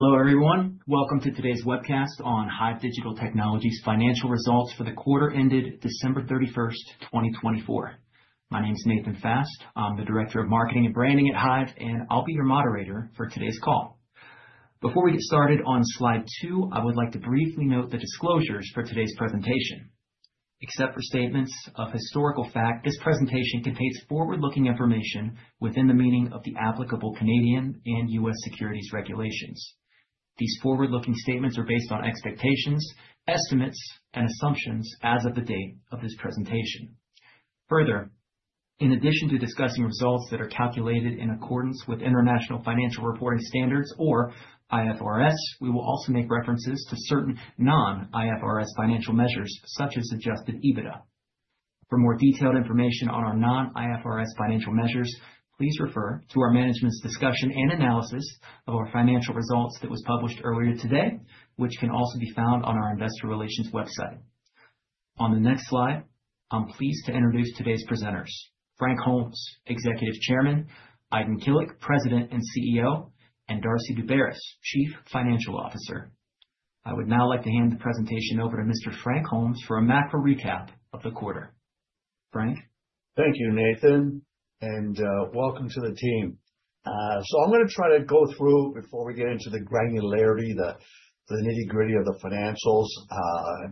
Hello, everyone. Welcome to today's webcast on HIVE Digital Technologies' Financial Results for the quarter ended December 31st, 2024. My name is Nathan Fast. I'm the Director of Marketing and Branding at HIVE, and I'll be your moderator for today's call. Before we get started, on slide two, I would like to briefly note the disclosures for today's presentation. Except for statements of historical fact, this presentation contains forward-looking information within the meaning of the applicable Canadian and U.S. securities regulations. These forward-looking statements are based on expectations, estimates, and assumptions as of the date of this presentation. Further, in addition to discussing results that are calculated in accordance with International Financial Reporting Standards, or IFRS, we will also make references to certain non-IFRS financial measures, such as adjusted EBITDA. For more detailed information on our non-IFRS financial measures, please refer to our management's discussion and analysis of our financial results that was published earlier today, which can also be found on our Investor Relations website. On the next slide, I'm pleased to introduce today's presenters: Frank Holmes, Executive Chairman; Aydin Kilic, President and CEO; and Darcy Daubaras, Chief Financial Officer. I would now like to hand the presentation over to Mr. Frank Holmes for a macro recap of the quarter. Frank. Thank you, Nathan, and welcome to the team. So I'm going to try to go through, before we get into the granularity, the nitty-gritty of the financials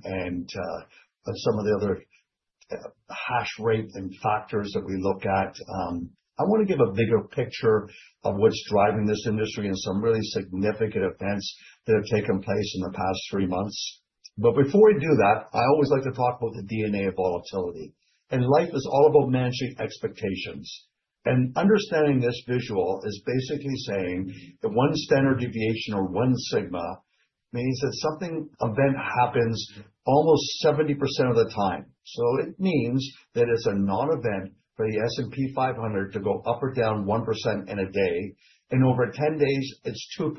and some of the other hash rate and factors that we look at. I want to give a bigger picture of what's driving this industry and some really significant events that have taken place in the past three months. But before we do that, I always like to talk about the DNA of volatility. And life is all about managing expectations. And understanding this visual is basically saying that one standard deviation, or one sigma, means that something, an event, happens almost 70% of the time. So it means that it's a non-event for the S&P 500 to go up or down 1% in a day. In over 10 days, it's 2%.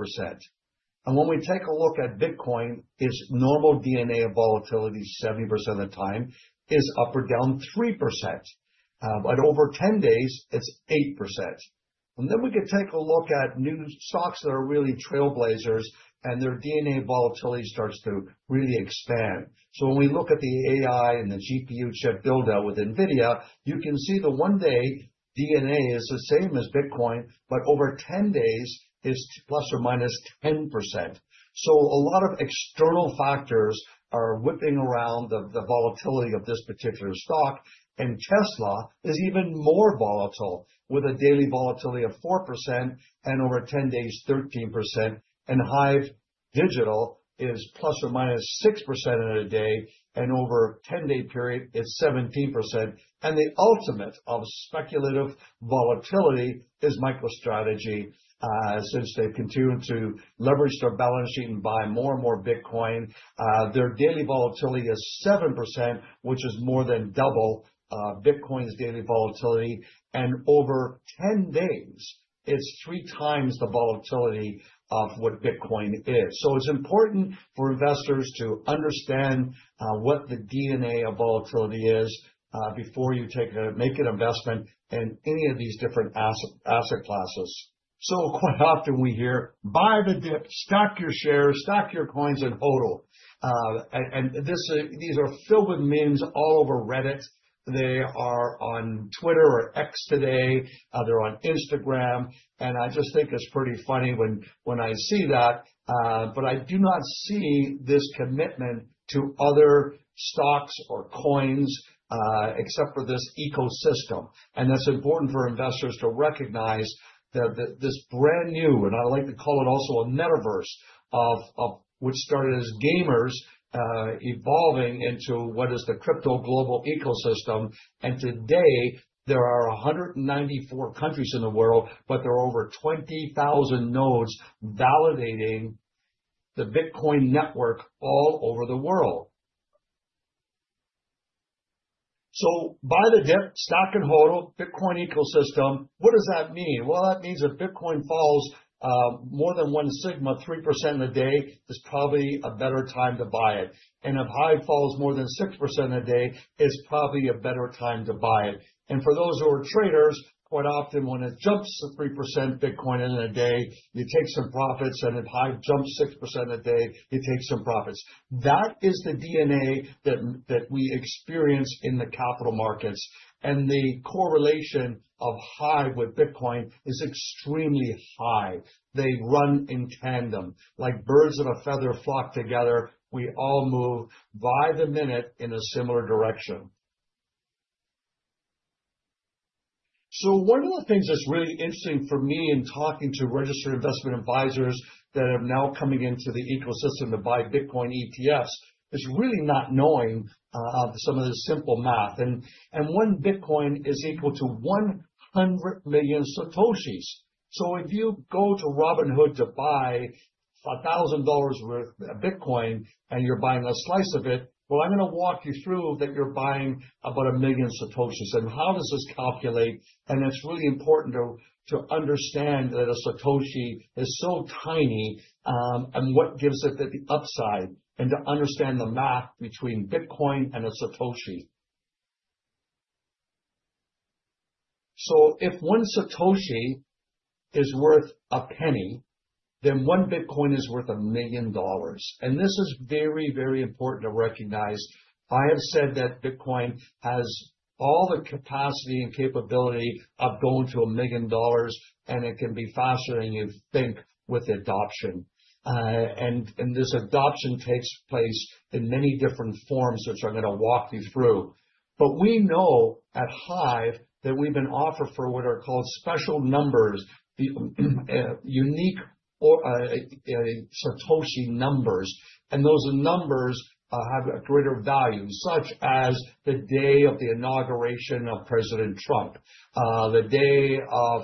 When we take a look at Bitcoin, its normal DNA of volatility, 70% of the time, is up or down 3%. But over 10 days, it's 8%. Then we could take a look at new stocks that are really trailblazers, and their DNA of volatility starts to really expand. So when we look at the AI and the GPU chip build-out with NVIDIA, you can see the one-day DNA is the same as Bitcoin, but over 10 days, it's ±10%. So a lot of external factors are whipping around the volatility of this particular stock. Tesla is even more volatile, with a daily volatility of 4% and over 10 days, 13%. HIVE Digital is ±6% in a day. Over a 10-day period, it's 17%. The ultimate of speculative volatility is MicroStrategy, since they've continued to leverage their balance sheet and buy more and more Bitcoin. Their daily volatility is 7%, which is more than double Bitcoin's daily volatility. Over 10 days, it's three times the volatility of what Bitcoin is. It's important for investors to understand what the DNA of volatility is before you make an investment in any of these different asset classes. Quite often we hear, "Buy the dip, stack your shares, stack your coins and HODL." These are filled with memes all over Reddit. They are on Twitter or X today. They're on Instagram. I just think it's pretty funny when I see that. I do not see this commitment to other stocks or coins except for this ecosystem. And that's important for investors to recognize that this brand new, and I like to call it also a metaverse, of which started as gamers, evolving into what is the crypto global ecosystem. And today, there are 194 countries in the world, but there are over 20,000 nodes validating the Bitcoin network all over the world. So buy the dip, stack and HODL, Bitcoin ecosystem. What does that mean? Well, that means if Bitcoin falls more than one sigma, 3% in a day, it's probably a better time to buy it. And if HIVE falls more than 6% in a day, it's probably a better time to buy it. And for those who are traders, quite often when it jumps 3%, Bitcoin in a day, you take some profits. And if HIVE jumps 6% in a day, you take some profits. That is the DNA that we experience in the capital markets. The correlation of HIVE with Bitcoin is extremely high. They run in tandem. Like birds of a feather flock together, we all move by the minute in a similar direction. One of the things that's really interesting for me in talking to registered investment advisors that are now coming into the ecosystem to buy Bitcoin ETFs is really not knowing some of the simple math. One Bitcoin is equal to 100 million satoshis. If you go to Robinhood to buy $1,000 worth of Bitcoin and you're buying a slice of it, well, I'm going to walk you through that you're buying about a million satoshis. How does this calculate? And it's really important to understand that a satoshi is so tiny and what gives it the upside and to understand the math between Bitcoin and a satoshi. So if one satoshi is worth a penny, then one Bitcoin is worth $1 million. And this is very, very important to recognize. I have said that Bitcoin has all the capacity and capability of going to $1 million, and it can be faster than you think with adoption. And this adoption takes place in many different forms, which I'm going to walk you through. But we know at HIVE that we've been offered for what are called special numbers, unique satoshi numbers. And those numbers have a greater value, such as the day of the inauguration of President Trump, the day of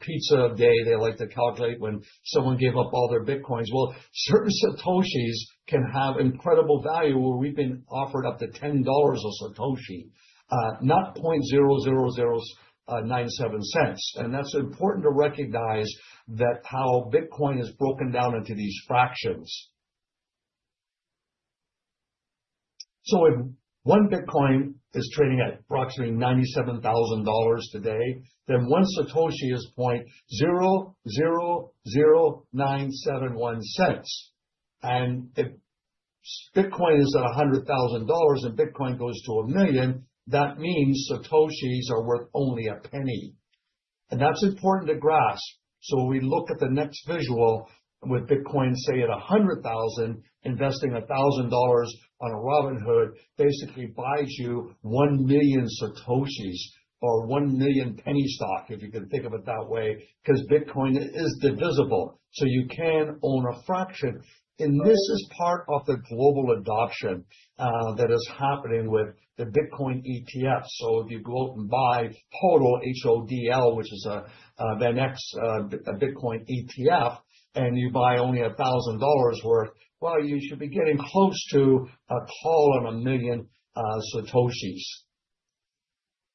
Pizza Day, they like to calculate when someone gave up all their Bitcoins. Certain satoshis can have incredible value where we've been offered up to $10 a satoshi, not 0.00097 cents, and that's important to recognize how Bitcoin is broken down into these fractions, so if one Bitcoin is trading at approximately $97,000 today, then one satoshi is 0.000971 cents. And if Bitcoin is at $100,000 and Bitcoin goes to a million, that means satoshis are worth only a penny, and that's important to grasp, so we look at the next visual with Bitcoin, say, at 100,000, investing $1,000 on a Robinhood basically buys you one million satoshis or one million penny stock, if you can think of it that way, because Bitcoin is divisible, so you can own a fraction, and this is part of the global adoption that is happening with the Bitcoin ETF. So if you go out and buy HODL, which is a Bitcoin ETF, and you buy only $1,000 worth, well, you should be getting close to a call on a million satoshis.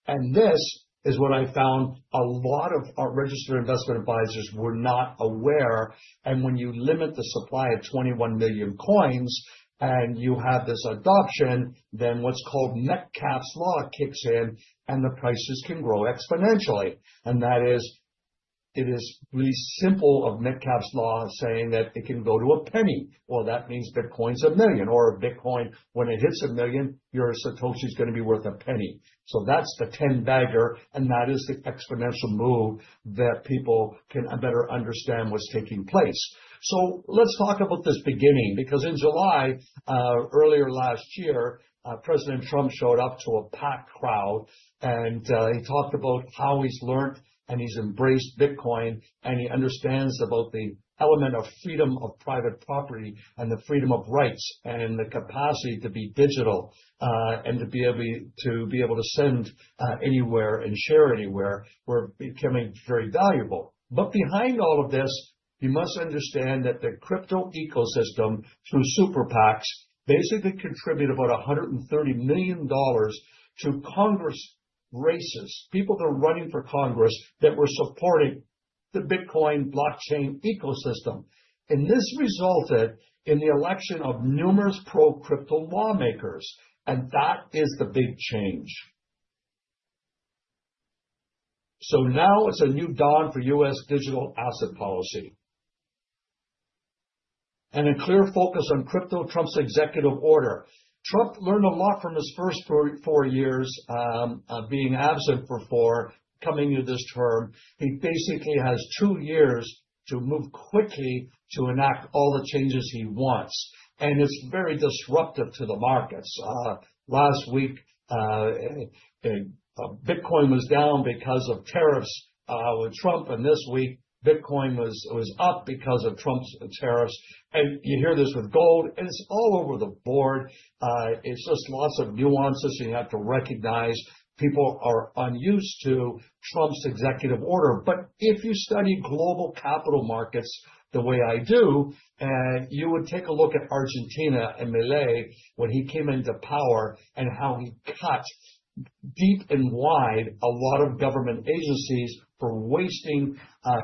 And this is what I found a lot of our registered investment advisors were not aware. And when you limit the supply of 21 million coins and you have this adoption, then what's called Metcalfe's Law kicks in, and the prices can grow exponentially. And that is, it is really simple of Metcalfe's Law saying that it can go to a penny. Well, that means Bitcoin's a million. Or a Bitcoin, when it hits a million, your satoshi is going to be worth a penny. So that's the 10-bagger. And that is the exponential move that people can better understand what's taking place. Let's talk about this beginning, because in July, earlier last year, President Trump showed up to a packed crowd. He talked about how he's learned and he's embraced Bitcoin. He understands about the element of freedom of private property and the freedom of rights and the capacity to be digital and to be able to send anywhere and share anywhere were becoming very valuable. Behind all of this, you must understand that the crypto ecosystem through Super PACs basically contributed about $130 million to congress races, people that are running for Congress that were supporting the Bitcoin blockchain ecosystem. This resulted in the election of numerous pro-crypto lawmakers. That is the big change. Now it's a new dawn for U.S. digital asset policy. A clear focus on crypto: Trump's executive order. Trump learned a lot from his first four years being absent for four coming into this term. He basically has two years to move quickly to enact all the changes he wants. And it's very disruptive to the markets. Last week, Bitcoin was down because of tariffs with Trump. And this week, Bitcoin was up because of Trump's tariffs. And you hear this with gold. It's all over the board. It's just lots of nuances you have to recognize. People are unused to Trump's executive order. But if you study global capital markets the way I do, you would take a look at Argentina and Milei when he came into power and how he cut deep and wide a lot of government agencies for wasting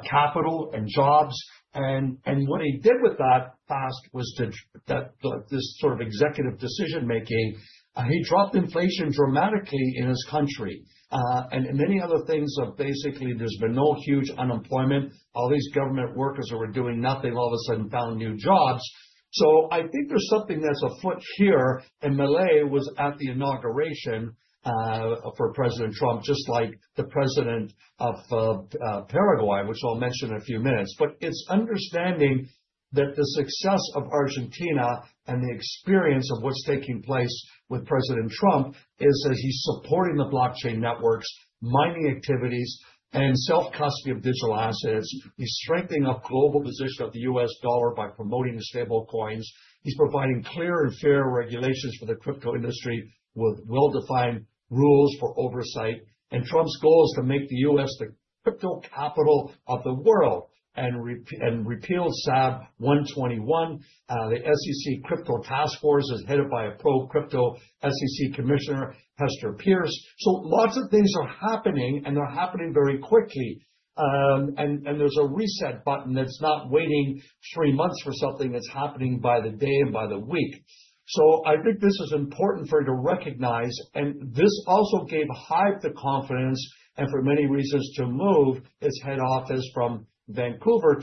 capital and jobs. And what he did with that fast was that this sort of executive decision-making, he dropped inflation dramatically in his country. Many other things have basically happened. There's been no huge unemployment. All these government workers who were doing nothing all of a sudden found new jobs. So I think there's something that's afoot here. Milei was at the inauguration for President Trump, just like the President of Paraguay, which I'll mention in a few minutes. But it's understanding that the success of Argentina and the experience of what's taking place with President Trump is as he's supporting the blockchain networks, mining activities, and self-custody of digital assets. He's strengthening up the global position of the U.S. dollar by promoting stablecoins. He's providing clear and fair regulations for the crypto industry with well-defined rules for oversight. Trump's goal is to make the U.S. the crypto capital of the world and repeal SAB 121. The SEC Crypto Task Force is headed by a pro-crypto SEC commissioner, Hester Peirce. So lots of things are happening, and they're happening very quickly. And there's a reset button that's not waiting three months for something that's happening by the day and by the week. So I think this is important for you to recognize. And this also gave HIVE the confidence, and for many reasons, to move its head office from Vancouver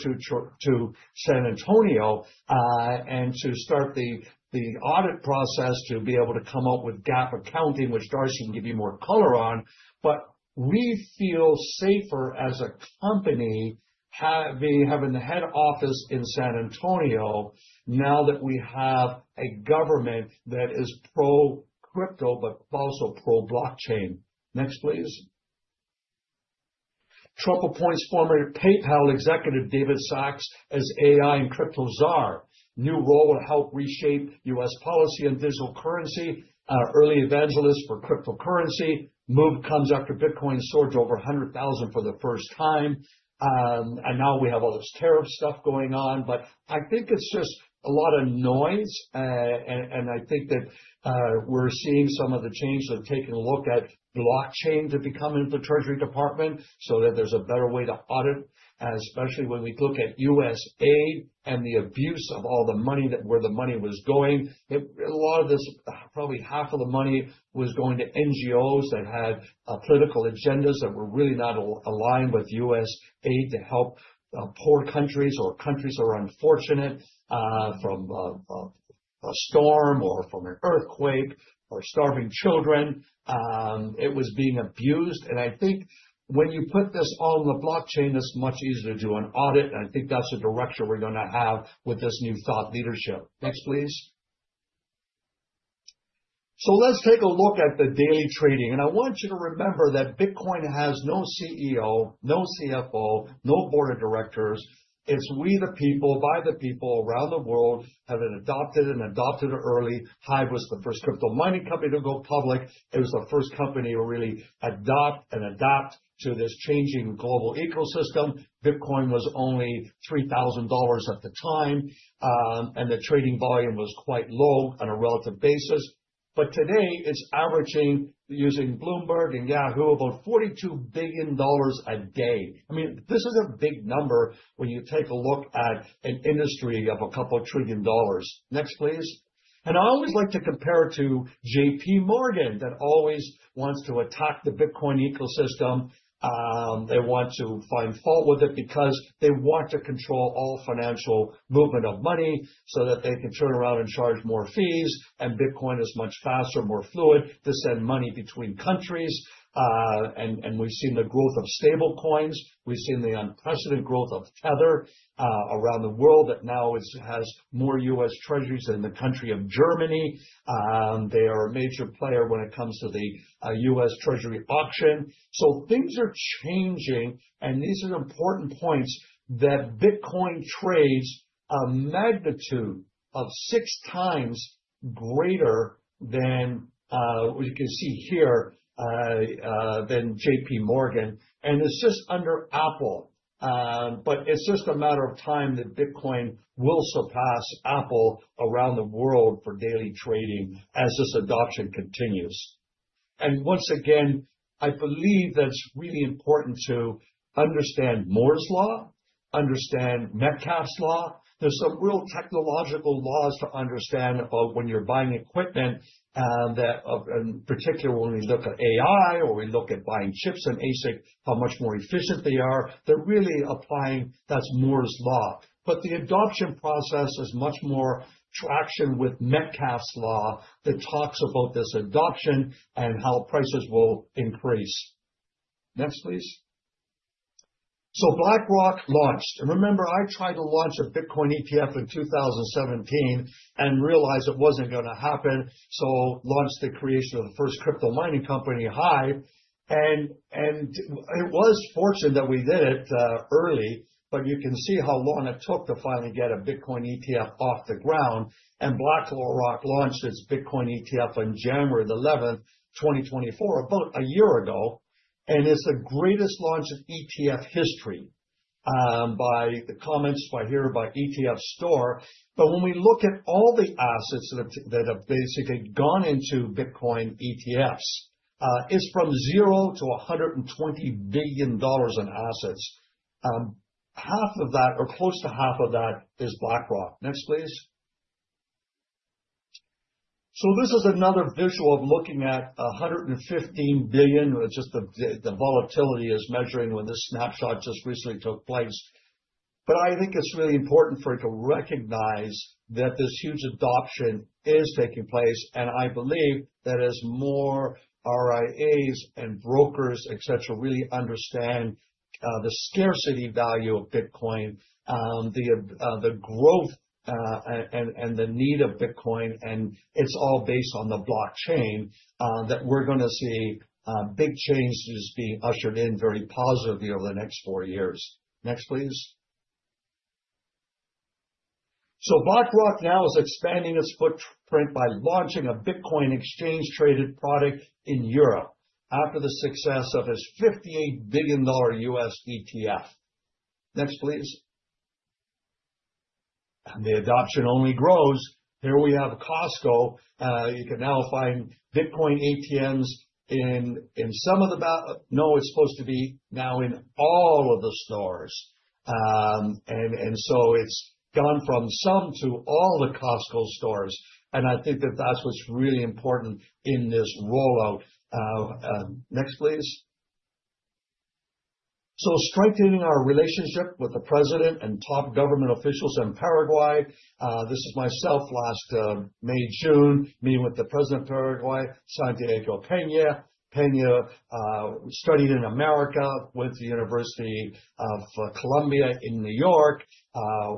to San Antonio and to start the audit process to be able to come up with GAAP accounting, which Darcy can give you more color on. But we feel safer as a company having the head office in San Antonio now that we have a government that is pro-crypto but also pro-blockchain. Next, please. Trump appoints former PayPal executive David Sacks as AI and crypto czar. New role will help reshape U.S. policy and digital currency. Early evangelist for cryptocurrency. Move comes after Bitcoin surged over $100,000 for the first time, and now we have all this tariff stuff going on. But I think it's just a lot of noise, and I think that we're seeing some of the change. They're taking a look at blockchain to become into the Treasury Department so that there's a better way to audit, especially when we look at U.S. aid and the abuse of all the money, that where the money was going. A lot of this, probably half of the money, was going to NGOs that had political agendas that were really not aligned with U.S. aid to help poor countries or countries that are unfortunate from a storm or from an earthquake or starving children. It was being abused, and I think when you put this on the blockchain, it's much easier to do an audit. I think that's the direction we're going to have with this new thought leadership. Next, please. So let's take a look at the daily trading. And I want you to remember that Bitcoin has no CEO, no CFO, no board of directors. It's we, the people, by the people around the world, have been adopted and adopted early. HIVE was the first crypto mining company to go public. It was the first company to really adopt and adapt to this changing global ecosystem. Bitcoin was only $3,000 at the time. And the trading volume was quite low on a relative basis. But today, it's averaging, using Bloomberg and Yahoo, about $42 billion a day. I mean, this is a big number when you take a look at an industry of a couple of trillion dollars. Next, please. I always like to compare it to JPMorgan that always wants to attack the Bitcoin ecosystem. They want to find fault with it because they want to control all financial movement of money so that they can turn around and charge more fees. Bitcoin is much faster, more fluid to send money between countries. We've seen the growth of stablecoins. We've seen the unprecedented growth of Tether around the world that now has more U.S. Treasuries than the country of Germany. They are a major player when it comes to the U.S. Treasury auction. Things are changing. These are important points that Bitcoin trades a magnitude of six times greater than we can see here than JPMorgan. It's just under Apple. But it's just a matter of time that Bitcoin will surpass Apple around the world for daily trading as this adoption continues. And once again, I believe that's really important to understand Moore's Law, understand Metcalfe's Law. There's some real technological laws to understand about when you're buying equipment. And particularly when we look at AI or we look at buying chips and ASIC, how much more efficient they are. They're really applying that's Moore's Law. But the adoption process has much more traction with Metcalfe's Law that talks about this adoption and how prices will increase. Next, please. So BlackRock launched. And remember, I tried to launch a Bitcoin ETF in 2017 and realized it wasn't going to happen. So launched the creation of the first crypto mining company, HIVE. And it was fortunate that we did it early. But you can see how long it took to finally get a Bitcoin ETF off the ground. And BlackRock launched its Bitcoin ETF on January 11th, 2024, about a year ago. And it's the greatest launch of ETF history by the comments I hear by ETF Store. But when we look at all the assets that have basically gone into Bitcoin ETFs, it's from $0 to $120 billion in assets. Half of that, or close to half of that, is BlackRock. Next, please. So this is another visual of looking at $115 billion. It's just the volatility is measuring when this snapshot just recently took place. But I think it's really important for you to recognize that this huge adoption is taking place. I believe that as more RIAs and brokers, et cetera, really understand the scarcity value of Bitcoin, the growth and the need of Bitcoin, and it's all based on the blockchain, that we're going to see big changes being ushered in very positively over the next four years. Next, please. BlackRock now is expanding its footprint by launching a Bitcoin exchange-traded product in Europe after the success of its $58 billion U.S. ETF. Next, please. The adoption only grows. Here we have Costco. You can now find Bitcoin ATMs now in all of the stores. And so it's gone from some to all the Costco stores. And I think that that's what's really important in this rollout. Next, please. Strengthening our relationship with the president and top government officials in Paraguay. This is myself last May, June, meeting with the President of Paraguay, Santiago Peña. Peña studied in America, went to Columbia University in New York,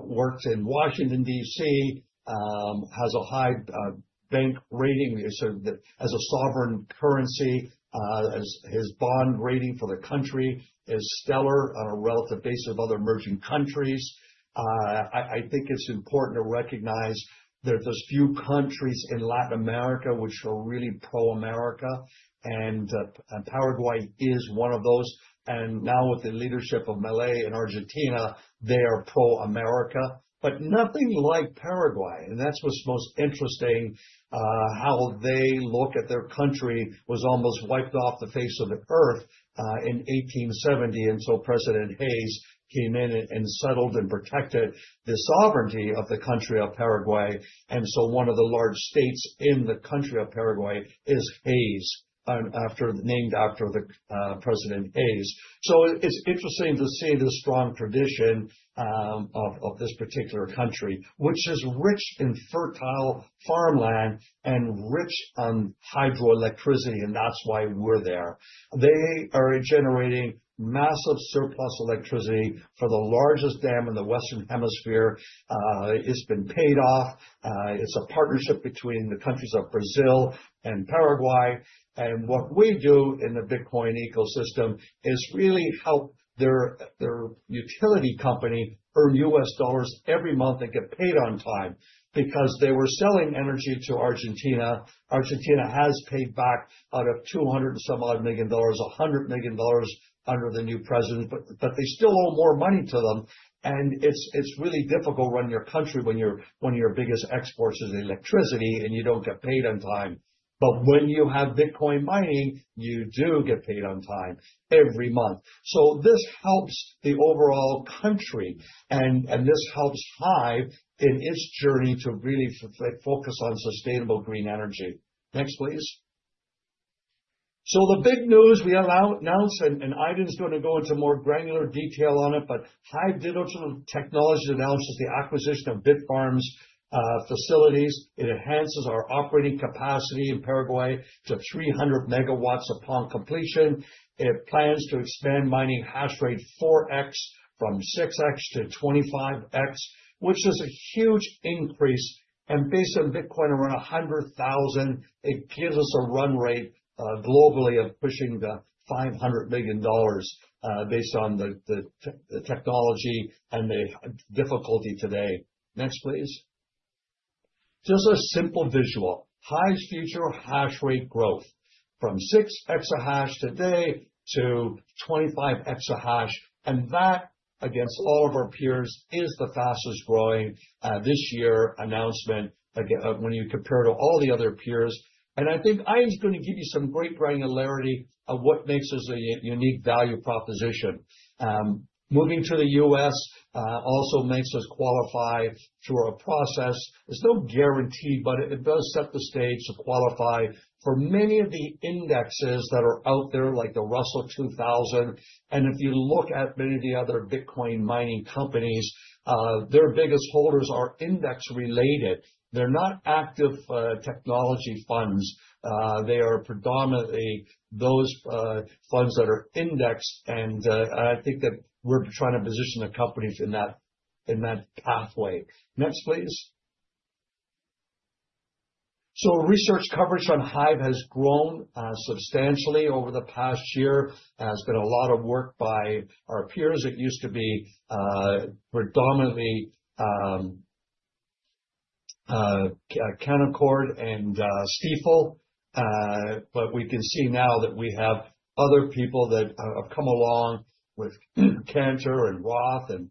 worked in Washington, D.C., has a high bank rating. So as a sovereign currency, his bond rating for the country is stellar on a relative basis of other emerging countries. I think it's important to recognize that there's few countries in Latin America which are really pro-America. And Paraguay is one of those. And now with the leadership of Milei in Argentina, they are pro-America. But nothing like Paraguay. And that's what's most interesting, how they look at their country was almost wiped off the face of the earth in 1870. And so President Hayes came in and settled and protected the sovereignty of the country of Paraguay. One of the large states in the country of Paraguay is Hayes, named after President Hayes. It's interesting to see the strong tradition of this particular country, which is rich in fertile farmland and rich in hydroelectricity. That's why we're there. They are generating massive surplus electricity for the largest dam in the Western Hemisphere. It's been paid off. It's a partnership between the countries of Brazil and Paraguay. What we do in the Bitcoin ecosystem is really help their utility company earn U.S. dollars every month and get paid on time because they were selling energy to Argentina. Argentina has paid back out of $200 million and some odd, $100 million under the new president. But they still owe more money to them. It's really difficult running your country when your biggest exports is electricity and you don't get paid on time. But when you have Bitcoin mining, you do get paid on time every month. So this helps the overall country. This helps HIVE in its journey to really focus on sustainable green energy. Next, please. The big news we announced, and Aydin's going to go into more granular detail on it, but HIVE Digital Technologies announces the acquisition of Bitfarms facilities. It enhances our operating capacity in Paraguay to 300 MW upon completion. It plans to expand mining hash rate 4x from 6x to 25x, which is a huge increase. Based on Bitcoin around $100,000, it gives us a run rate globally of pushing the $500 million based on the technology and the difficulty today. Next, please. Just a simple visual. HIVE's future hash rate growth from 6 EH/s today to 25 EH/s. And that, against all of our peers, is the fastest growing this year announcement when you compare to all the other peers. And I think Aydin's going to give you some great granularity of what makes us a unique value proposition. Moving to the U.S. also makes us qualify through a process. It's no guarantee, but it does set the stage to qualify for many of the indexes that are out there, like the Russell 2000. And if you look at many of the other Bitcoin mining companies, their biggest holders are index-related. They're not active technology funds. They are predominantly those funds that are indexed. And I think that we're trying to position the companies in that pathway. Next, please. So research coverage on HIVE has grown substantially over the past year. There's been a lot of work by our peers. It used to be predominantly Canaccord and Stifel. But we can see now that we have other people that have come along with Cantor and Roth. And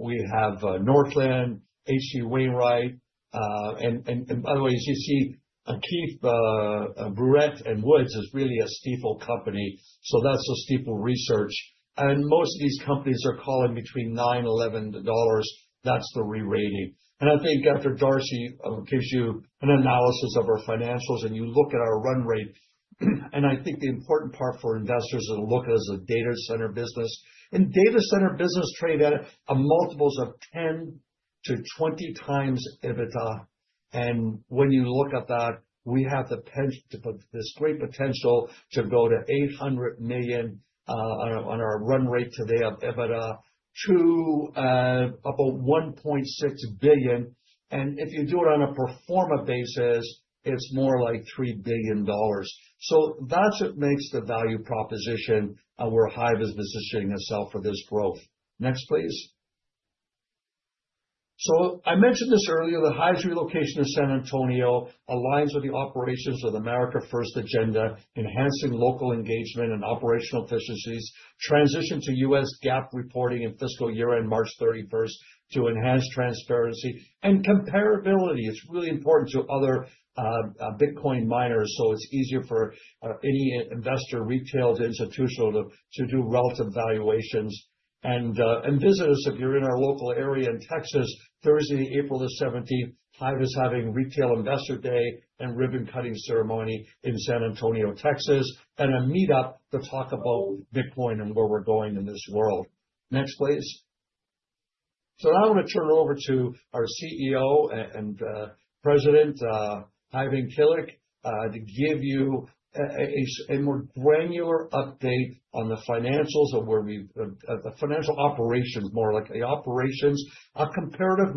we have Northland, H.C. Wainwright. And by the way, as you see, Keefe, Bruyette & Woods is really a Stifel company. So that's a Stifel research. And most of these companies are calling between $9 and $11. That's the re-rating. And I think after Darcy gives you an analysis of our financials and you look at our run rate, and I think the important part for investors to look at is a data center business. And data center business trade at multiples of 10-20 times EBITDA. When you look at that, we have this great potential to go to $800 million on our run rate today of EBITDA to about $1.6 billion. If you do it on a performer basis, it's more like $3 billion. That's what makes the value proposition where HIVE is positioning itself for this growth. Next, please. I mentioned this earlier. HIVE's relocation to San Antonio aligns with the operations of the America First Agenda, enhancing local engagement and operational efficiencies, transition to U.S. GAAP reporting and fiscal year-end March 31st to enhance transparency and comparability. It's really important to other Bitcoin miners. It's easier for any investor, retail to institutional, to do relative valuations. And visitors, if you're in our local area in Texas, Thursday, April the 17th, HIVE is having Retail Investor Day and ribbon-cutting ceremony in San Antonio, Texas, and a meetup to talk about Bitcoin and where we're going in this world. Next, please. So now I want to turn it over to our CEO and President, Aydin Kilic, to give you a more granular update on the financials of where we, the financial operations, more like the operations, a comparative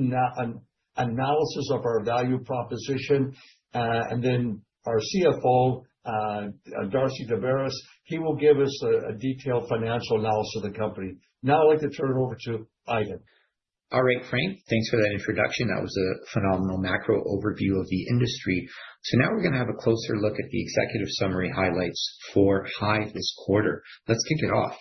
analysis of our value proposition. And then our CFO, Darcy Daubaras, he will give us a detailed financial analysis of the company. Now I'd like to turn it over to Aydin. All right, Frank, thanks for that introduction. That was a phenomenal macro overview of the industry. So now we're going to have a closer look at the executive summary highlights for HIVE this quarter. Let's kick it off.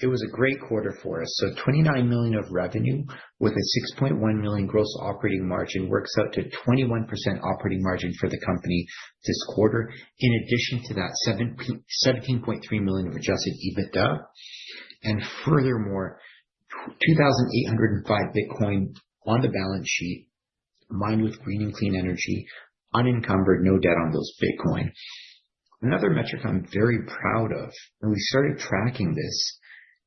It was a great quarter for us. $29 million of revenue with a $6.1 million gross operating margin works out to 21% operating margin for the company this quarter, in addition to that $17.3 million of adjusted EBITDA. Furthermore, 2,805 Bitcoin on the balance sheet, mined with green and clean energy, unencumbered, no debt on those Bitcoin. Another metric I'm very proud of, and we started tracking this,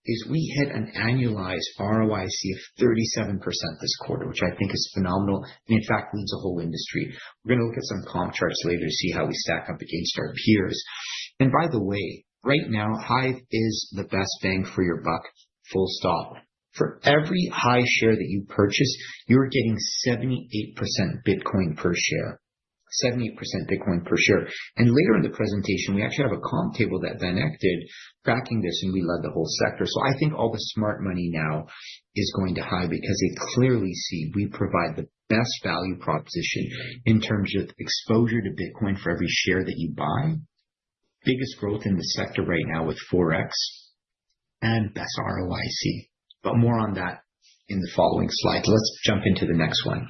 is we hit an annualized ROIC of 37% this quarter, which I think is phenomenal and in fact means a whole industry. We're going to look at some comp charts later to see how we stack up against our peers. By the way, right now, HIVE is the best bang for your buck. Full stop. For every HIVE share that you purchase, you're getting 78% Bitcoin per share, 78% Bitcoin per share. Later in the presentation, we actually have a comp table that VanEck did tracking this, and we led the whole sector. I think all the smart money now is going to HIVE because they clearly see we provide the best value proposition in terms of exposure to Bitcoin for every share that you buy. Biggest growth in the sector right now with 4x and best ROIC. More on that in the following slides. Let's jump into the next one.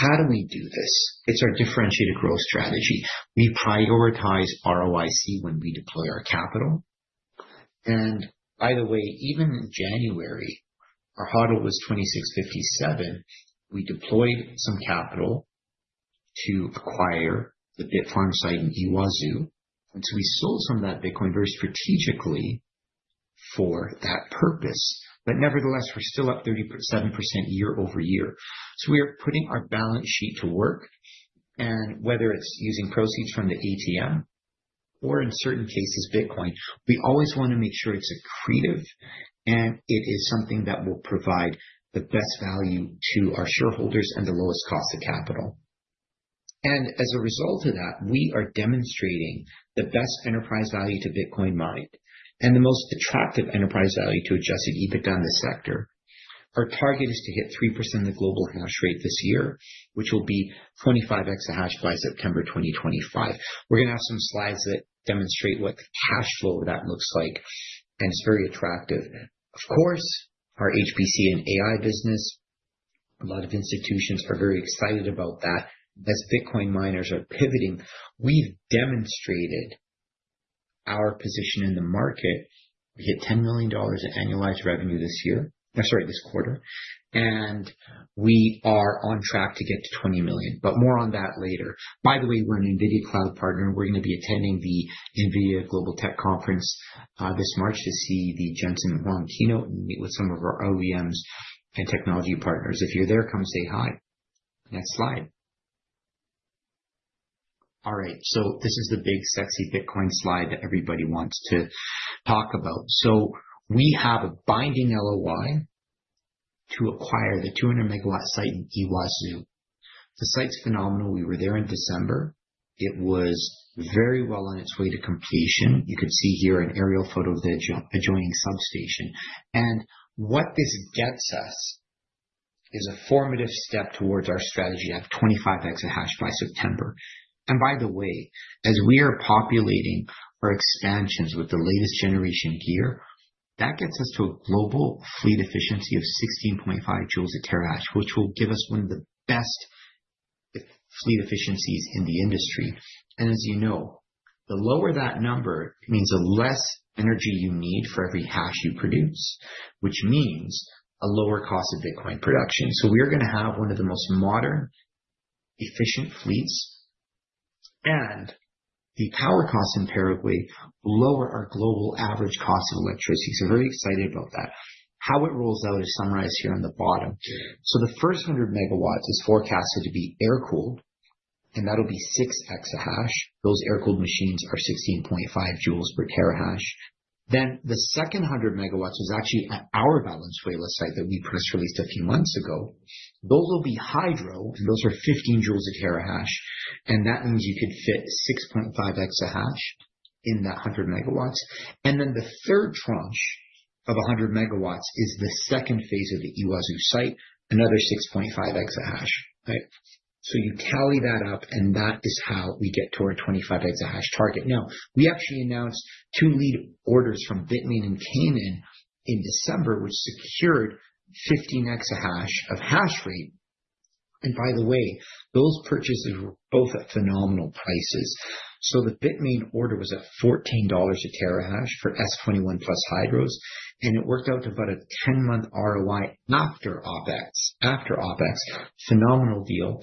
How do we do this? It's our differentiated growth strategy. We prioritize ROIC when we deploy our capital. By the way, even in January, our HODL was $2,657. We deployed some capital to acquire the Bitfarms site in Yguazú. We sold some of that Bitcoin very strategically for that purpose. Nevertheless, we're still up 37% year-over-year. We are putting our balance sheet to work. And whether it's using proceeds from the ATM or in certain cases, Bitcoin, we always want to make sure it's accretive and it is something that will provide the best value to our shareholders and the lowest cost of capital. And as a result of that, we are demonstrating the best enterprise value to Bitcoin mined and the most attractive enterprise value to adjusted EBITDA in the sector. Our target is to hit 3% of the global hash rate this year, which will be 25 EH/s by September 2025. We're going to have some slides that demonstrate what the cash flow of that looks like. And it's very attractive. Of course, our HPC and AI business, a lot of institutions are very excited about that. As Bitcoin miners are pivoting, we've demonstrated our position in the market. We hit $10 million in annualized revenue this year, sorry, this quarter, and we are on track to get to $20 million, but more on that later. By the way, we're an NVIDIA Cloud partner. We're going to be attending the NVIDIA Global Tech Conference this March to see the Jensen Huang keynote and meet with some of our OEMs and technology partners. If you're there, come say hi. Next slide. All right, so this is the big, sexy Bitcoin slide that everybody wants to talk about, so we have a binding LOI to acquire the 200-megawatt site in Yguazú. The site's phenomenal. We were there in December. It was very well on its way to completion. You could see here an aerial photo of the adjoining substation, and what this gets us is a formative step towards our strategy of 25 EH/s by September. By the way, as we are populating our expansions with the latest generation gear, that gets us to a global fleet efficiency of 16.5 J/TH, which will give us one of the best fleet efficiencies in the industry. As you know, the lower that number means the less energy you need for every hash you produce, which means a lower cost of Bitcoin production. We're going to have one of the most modern, efficient fleets. The power costs in Paraguay lower our global average cost of electricity. Very excited about that. How it rolls out is summarized here on the bottom. The first 100 MW is forecasted to be air-cooled, and that'll be 6 EH/s. Those air-cooled machines are 16.5 J/TH. Then the second 100 MW is actually at our Valenzuela site that we press released a few months ago. Those will be hydro, and those are 15 J/TH. And that means you could fit 6.5 EH/s in that 100 MW. And then the third tranche of 100 MW is the second phase of the Yguazú site, another 6.5 EH/s. So you tally that up, and that is how we get to our 25 EH/s target. Now, we actually announced two lead orders from BITMAIN and Canaan in December, which secured 15 EH/s of hash rate. And by the way, those purchases were both at phenomenal prices. So the BITMAIN order was at $14 a TH/s for S21+ Hydro. And it worked out to about a 10-month ROI after OpEx, after OpEx, phenomenal deal.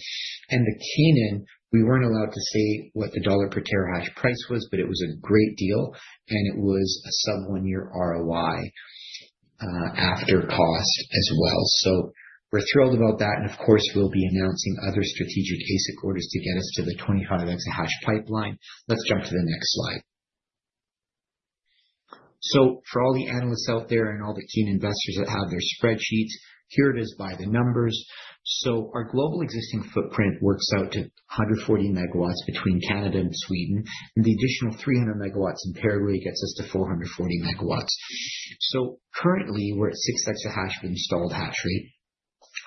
And the Canaan, we weren't allowed to say what the dollar per terahash price was, but it was a great deal. And it was a sub-one-year ROI after cost as well. So we're thrilled about that. And of course, we'll be announcing other strategic ASIC orders to get us to the 25 EH/s pipeline. Let's jump to the next slide. So for all the analysts out there and all the keen investors that have their spreadsheets, here it is by the numbers. So our global existing footprint works out to 140 MW between Canada and Sweden. And the additional 300 MW in Paraguay gets us to 440 MW. So currently, we're at 6 EH/s of installed hashrate.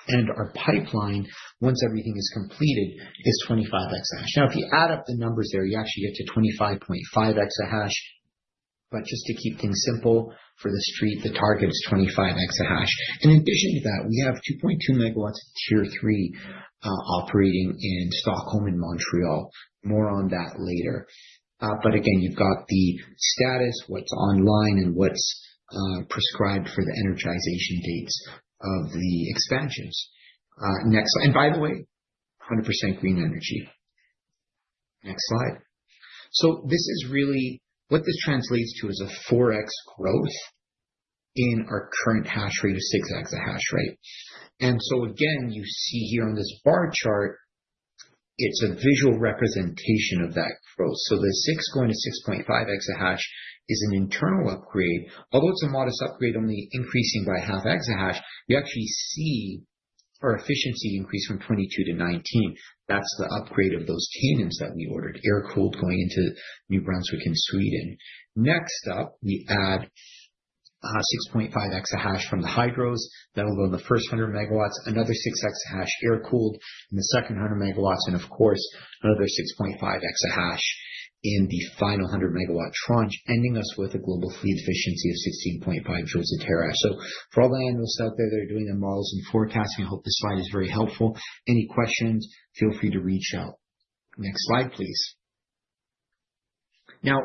And our pipeline, once everything is completed, is 25 EH/s. Now, if you add up the numbers there, you actually get to 25.5 EH/s. But just to keep things simple for the street, the target is 25 EH/s. In addition to that, we have 2.2 MW of Tier 3 operating in Stockholm and Montreal. More on that later. But again, you've got the status, what's online, and what's prescribed for the energization dates of the expansions. Next slide. And by the way, 100% green energy. Next slide. So this is really what this translates to is a 4x growth in our current hash rate of 6 EH/s. And so again, you see here on this bar chart, it's a visual representation of that growth. So the 6 going to 6.5 EH/s is an internal upgrade. Although it's a modest upgrade, only increasing by half EH/s, you actually see our efficiency increase from 22 to 19. That's the upgrade of those Canaans that we ordered, air-cooled going into New Brunswick and Sweden. Next up, we add 6.5 EH/s from the Hydros. That'll go in the first 100 MW, another 6 EH/s air-cooled in the second 100 MW, and of course, another 6.5 EH/s in the final 100 MW tranche, ending us with a global fleet efficiency of 16.5 J/TH. So for all the analysts out there, they're doing their models and forecasting. I hope this slide is very helpful. Any questions, feel free to reach out. Next slide, please. Now,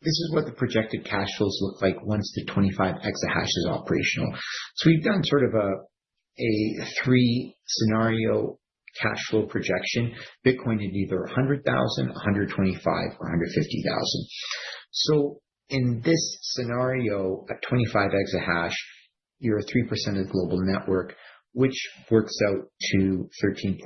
this is what the projected cash flows look like once the 25 EH/s is operational. So we've done sort of a three-scenario cash flow projection. Bitcoin is either $100,000, $125,000, or $150,000. So in this scenario, at 25 EH/s, you're at 3% of the global network, which works out to 13.5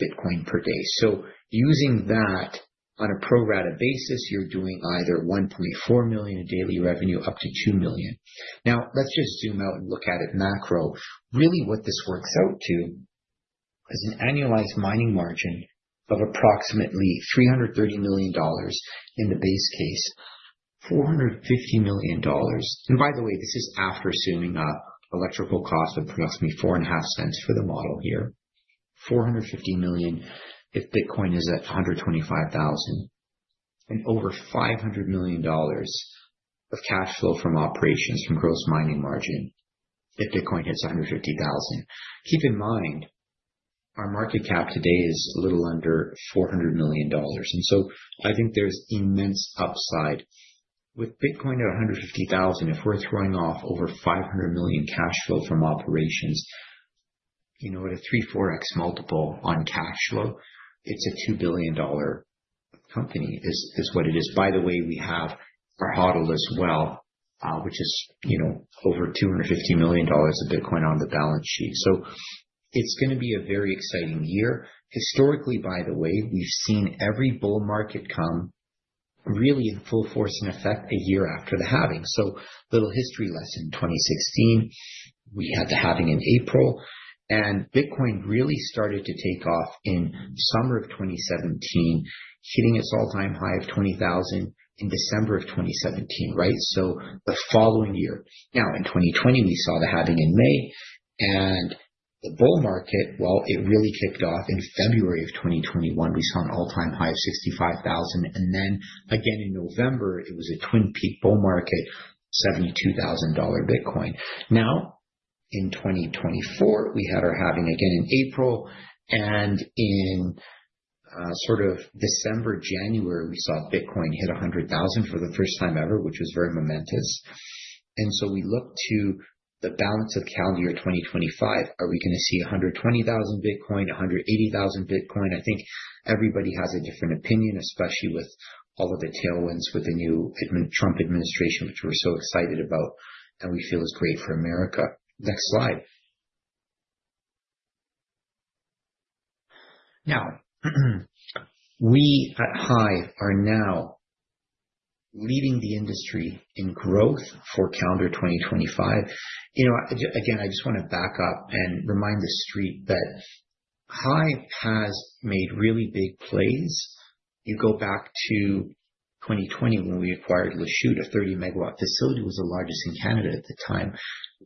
Bitcoin per day. So using that on a pro-rata basis, you're doing either $1.4 million a daily revenue up to $2 million. Now, let's just zoom out and look at it macro. Really, what this works out to is an annualized mining margin of approximately $330 million in the base case, $450 million. And by the way, this is after summing up electrical cost of approximately $0.045 for the model here, $450 million if Bitcoin is at $125,000, and over $500 million of cash flow from operations, from gross mining margin, if Bitcoin hits $150,000. Keep in mind, our market cap today is a little under $400 million. And so I think there's immense upside. With Bitcoin at $150,000, if we're throwing off over $500 million cash flow from operations, you know, at a 3-4x multiple on cash flow, it's a $2 billion company, is what it is. By the way, we have our HODL as well, which is over $250 million of Bitcoin on the balance sheet, so it's going to be a very exciting year. Historically, by the way, we've seen every bull market come really in full force and effect a year after the halving. So little history lesson: in 2016, we had the halving in April, and Bitcoin really started to take off in summer of 2017, hitting its all-time high of $20,000 in December of 2017, right, so the following year. Now, in 2020, we saw the halving in May, and the bull market, well, it really kicked off in February of 2021. We saw an all-time high of $65,000. Then again in November, it was a twin peak bull market, $72,000 Bitcoin. Now, in 2024, we had our halving again in April. In sort of December, January, we saw Bitcoin hit $100,000 for the first time ever, which was very momentous. We look to the balance of calendar year 2025. Are we going to see 120,000 Bitcoin, 180,000 Bitcoin? I think everybody has a different opinion, especially with all of the tailwinds with the new Trump administration, which we're so excited about and we feel is great for America. Next slide. Now, we at HIVE are now leading the industry in growth for calendar 2025. You know, again, I just want to back up and remind the street that HIVE has made really big plays. You go back to 2020 when we acquired Lachute, a 30 MW facility that was the largest in Canada at the time.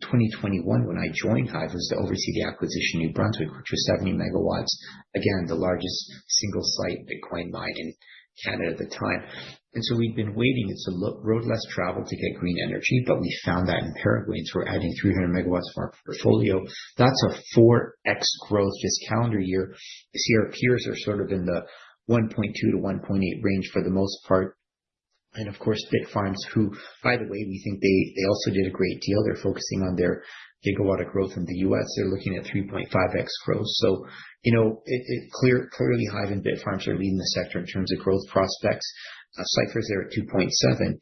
2021, when I joined HIVE, was to oversee the acquisition of New Brunswick, which was 70 MW, again, the largest single-site Bitcoin mine in Canada at the time. And so we'd been waiting. It's a road less traveled to get green energy, but we found that in Paraguay. And so we're adding 300 MW to our portfolio. That's a 4x growth this calendar year. Our peers are sort of in the 1.2-1.8 range for the most part. And of course, Bitfarms, who by the way, we think they also did a great deal. They're focusing on their gigawatt of growth in the U.S. They're looking at 3.5x growth. So you know clearly, HIVE and Bitfarms are leading the sector in terms of growth prospects. Cipher's there at 2.7.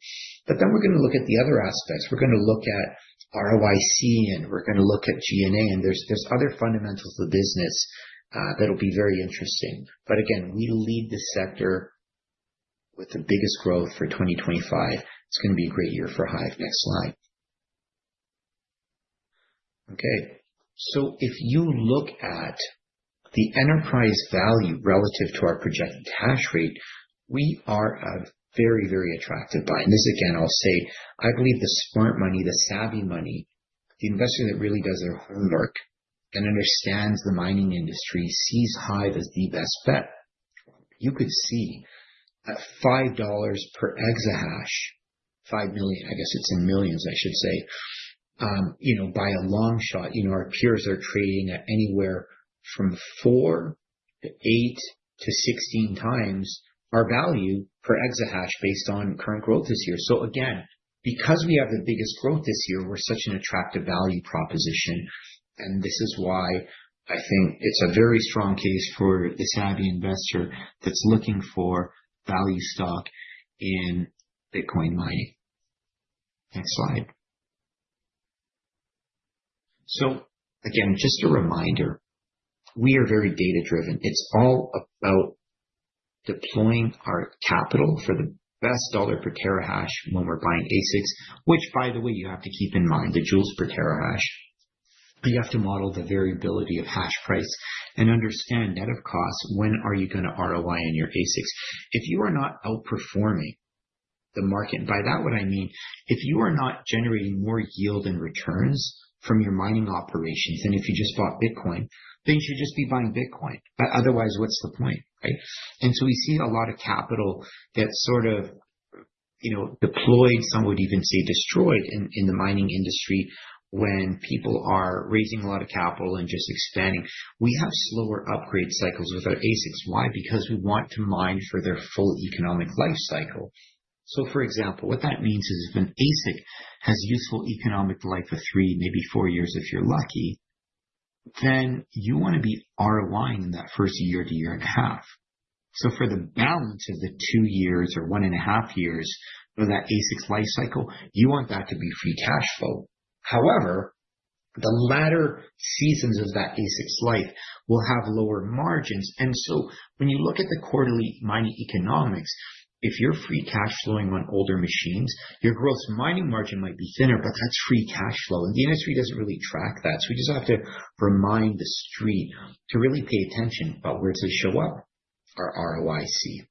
But then we're going to look at the other aspects. We're going to look at ROIC, and we're going to look at G&A. And there's other fundamentals of the business that'll be very interesting. But again, we lead the sector with the biggest growth for 2025. It's going to be a great year for HIVE. Next slide. Okay. So if you look at the enterprise value relative to our projected hash rate, we are very, very attracted by. And this again, I'll say, I believe the smart money, the savvy money, the investor that really does their homework and understands the mining industry, sees HIVE as the best bet. You could see at $5 per EH/s, 5 million. I guess it's in millions, I should say. You know, by a long shot, you know our peers are trading at anywhere from 4 to 8 to 16 times our value per exahash based on current growth this year. So again, because we have the biggest growth this year, we're such an attractive value proposition. And this is why I think it's a very strong case for the savvy investor that's looking for value stock in Bitcoin mining. Next slide. So again, just a reminder, we are very data-driven. It's all about deploying our capital for the best dollar per terahash when we're buying ASICs, which, by the way, you have to keep in mind, the joules per terahash. You have to model the variability of hashprice and understand net of cost, when are you going to ROI in your ASICs? If you are not outperforming the market, by that, what I mean, if you are not generating more yield and returns from your mining operations, and if you just bought Bitcoin, then you should just be buying Bitcoin. But otherwise, what's the point, right? And so we see a lot of capital get sort of, you know, deployed, some would even say destroyed in the mining industry when people are raising a lot of capital and just expanding. We have slower upgrade cycles with our ASICs. Why? Because we want to mine for their full economic life cycle. So for example, what that means is if an ASIC has a useful economic life of three, maybe four years, if you're lucky, then you want to be ROI-ing in that first year to year and a half. For the balance of the two years or one and a half years of that ASIC's life cycle, you want that to be free cash flow. However, the latter stages of that ASIC's life will have lower margins. And so when you look at the quarterly mining economics, if you're free cash flowing on older machines, your gross mining margin might be thinner, but that's free cash flow. And the industry doesn't really track that. So we just have to remind the street to really pay attention about where to show up our ROIC.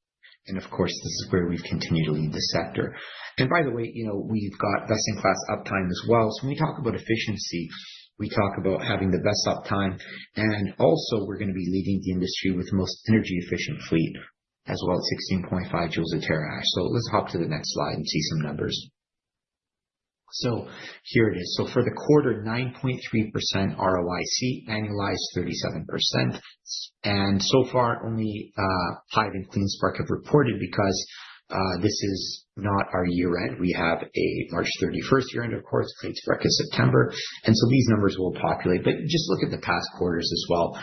And of course, this is where we've continued to lead the sector. And by the way, you know we've got best-in-class uptime as well. So when we talk about efficiency, we talk about having the best uptime. And also, we're going to be leading the industry with the most energy-efficient fleet, as well as 16.5 J/TH. So let's hop to the next slide and see some numbers. So here it is. So for the quarter, 9.3% ROIC, annualized 37%. And so far, only HIVE and CleanSpark have reported because this is not our year-end. We have a March 31st year-end, of course. CleanSpark is September. And so these numbers will populate. But you just look at the past quarters as well,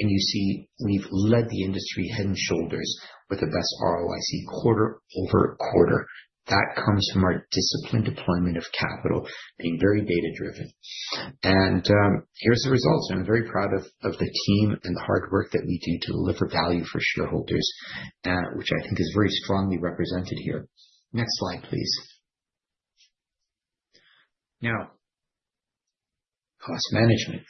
and you see we've led the industry head and shoulders with the best ROIC quarter over quarter. That comes from our disciplined deployment of capital being very data-driven. And here's the results. And I'm very proud of the team and the hard work that we do to deliver value for shareholders, which I think is very strongly represented here. Next slide, please. Now, cost management,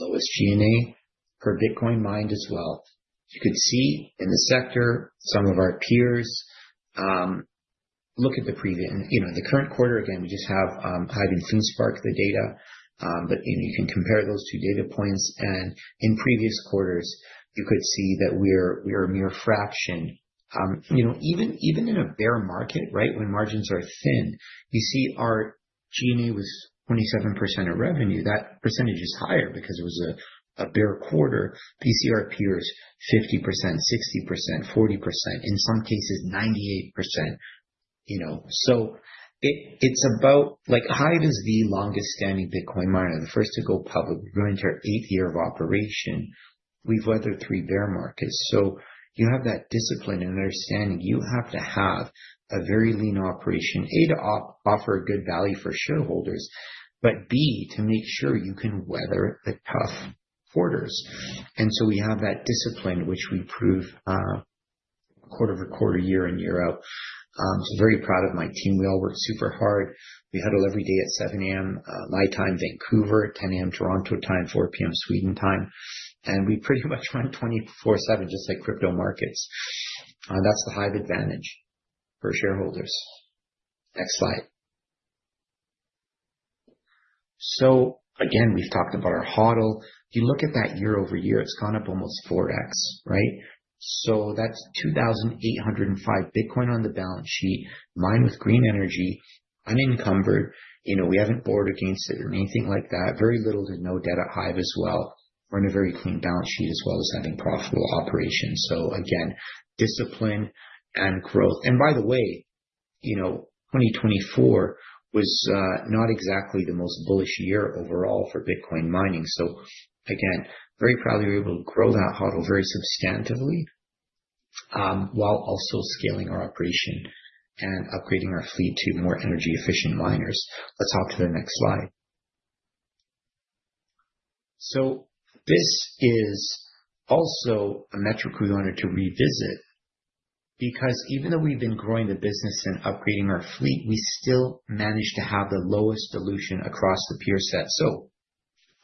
lowest G&A per Bitcoin mined as well. You could see in the sector, some of our peers look at the previous, you know, the current quarter. Again, we just have HIVE and CleanSpark, the data. But you can compare those two data points, and in previous quarters, you could see that we're a mere fraction. You know, even in a bear market, right, when margins are thin, you see our G&A was 27% of revenue. That percentage is higher because it was a bear quarter. But you see our peers 50%, 60%, 40%, in some cases 98%. You know, so it's about like HIVE is the longest-standing Bitcoin miner, the first to go public. We're going into our eighth year of operation. We've weathered three bear markets. So you have that discipline and understanding. You have to have a very lean operation, A, to offer good value for shareholders, but B, to make sure you can weather the tough quarters, and so we have that discipline, which we prove quarter-over-quarter, year in, year out, so very proud of my team. We all work super hard. We huddle every day at 7:00 A.M. my time, Vancouver, 10:00 A.M. Toronto time, 4:00 P.M. Sweden time, and we pretty much run 24/7, just like crypto markets. That's the HIVE advantage for shareholders. Next slide, so again, we've talked about our HODL. You look at that year over year, it's gone up almost 4x, right? So that's 2,805 Bitcoin on the balance sheet, mined with green energy. Unencumbered. You know, we haven't borrowed against it or anything like that. Very little to no debt at HIVE as well. We're in a very clean balance sheet as well as having profitable operations. So again, discipline and growth and by the way, you know, 2024 was not exactly the most bullish year overall for Bitcoin mining. So again, very proud that we were able to grow that HODL very substantively while also scaling our operation and upgrading our fleet to more energy-efficient miners. Let's hop to the next slide. So this is also a metric we wanted to revisit because even though we've been growing the business and upgrading our fleet, we still managed to have the lowest dilution across the peer set. So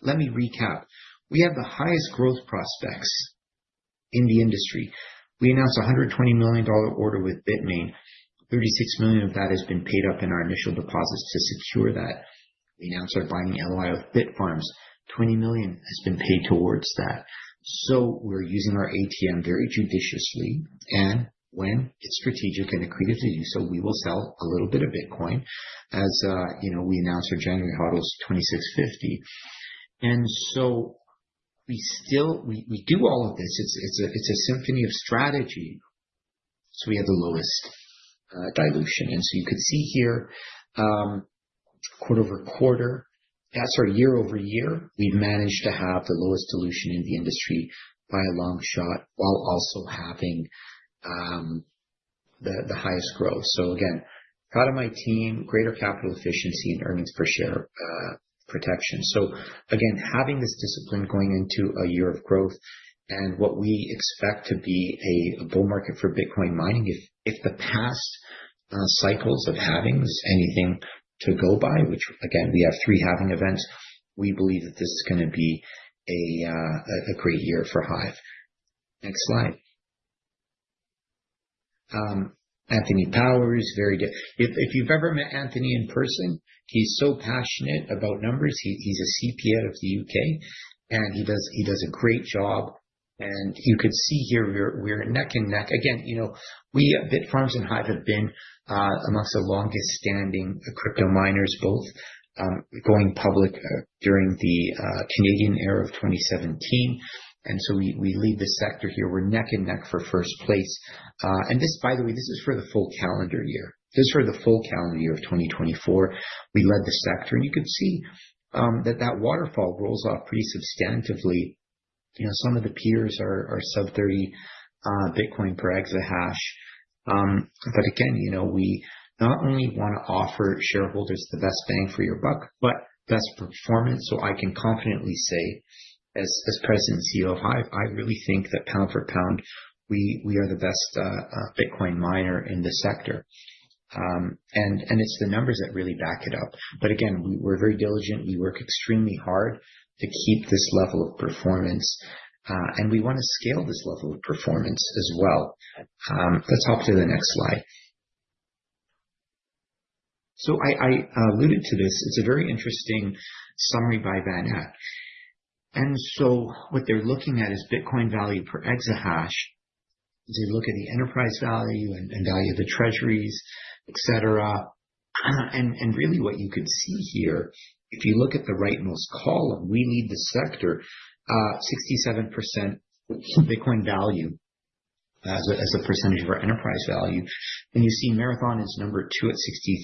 let me recap. We have the highest growth prospects in the industry. We announced a $120 million order with BITMAIN. $36 million of that has been paid up in our initial deposits to secure that. We announced our binding LOI with Bitfarms. $20 million has been paid towards that. So we're using our ATM very judiciously and when it's strategic and accretive to do so, we will sell a little bit of Bitcoin, as you know. We announced our January HODLs, 2,650. And so we still, we do all of this. It's a symphony of strategy. So we have the lowest dilution. And so you could see here, quarter-over-quarter, that's our year over year. We've managed to have the lowest dilution in the industry by a long shot while also having the highest growth. So again, proud of my team, greater capital efficiency and earnings per share protection. So again, having this discipline going into a year of growth and what we expect to be a bull market for Bitcoin mining, if the past cycles of halvings anything to go by, which again, we have three halving events, we believe that this is going to be a great year for HIVE. Next slide. Anthony Power, very good. If you've ever met Anthony in person, he's so passionate about numbers. He's a CPA of the U.K., and he does a great job. And you could see here, we're neck and neck. Again, you know, we at Bitfarms and HIVE have been amongst the longest-standing crypto miners, both going public during the Canadian era of 2017. And so we lead the sector here. We're neck and neck for first place. And this, by the way, this is for the full calendar year. This is for the full calendar year of 2024. We led the sector, and you could see that that waterfall rolls off pretty substantively. You know, some of the peers are sub-30 Bitcoin per EH/s. But again, you know, we not only want to offer shareholders the best bang for your buck, but best performance. So I can confidently say, as President and CEO of HIVE, I really think that pound for pound, we are the best Bitcoin miner in the sector. And it's the numbers that really back it up. But again, we're very diligent. We work extremely hard to keep this level of performance. And we want to scale this level of performance as well. Let's hop to the next slide. So I alluded to this. It's a very interesting summary by VanEck. And so what they're looking at is Bitcoin value per EH/s. They look at the enterprise value and value of the treasuries, et cetera, and really what you could see here, if you look at the rightmost column, we lead the sector, 67% Bitcoin value as a percentage of our enterprise value, and you see Marathon is number two at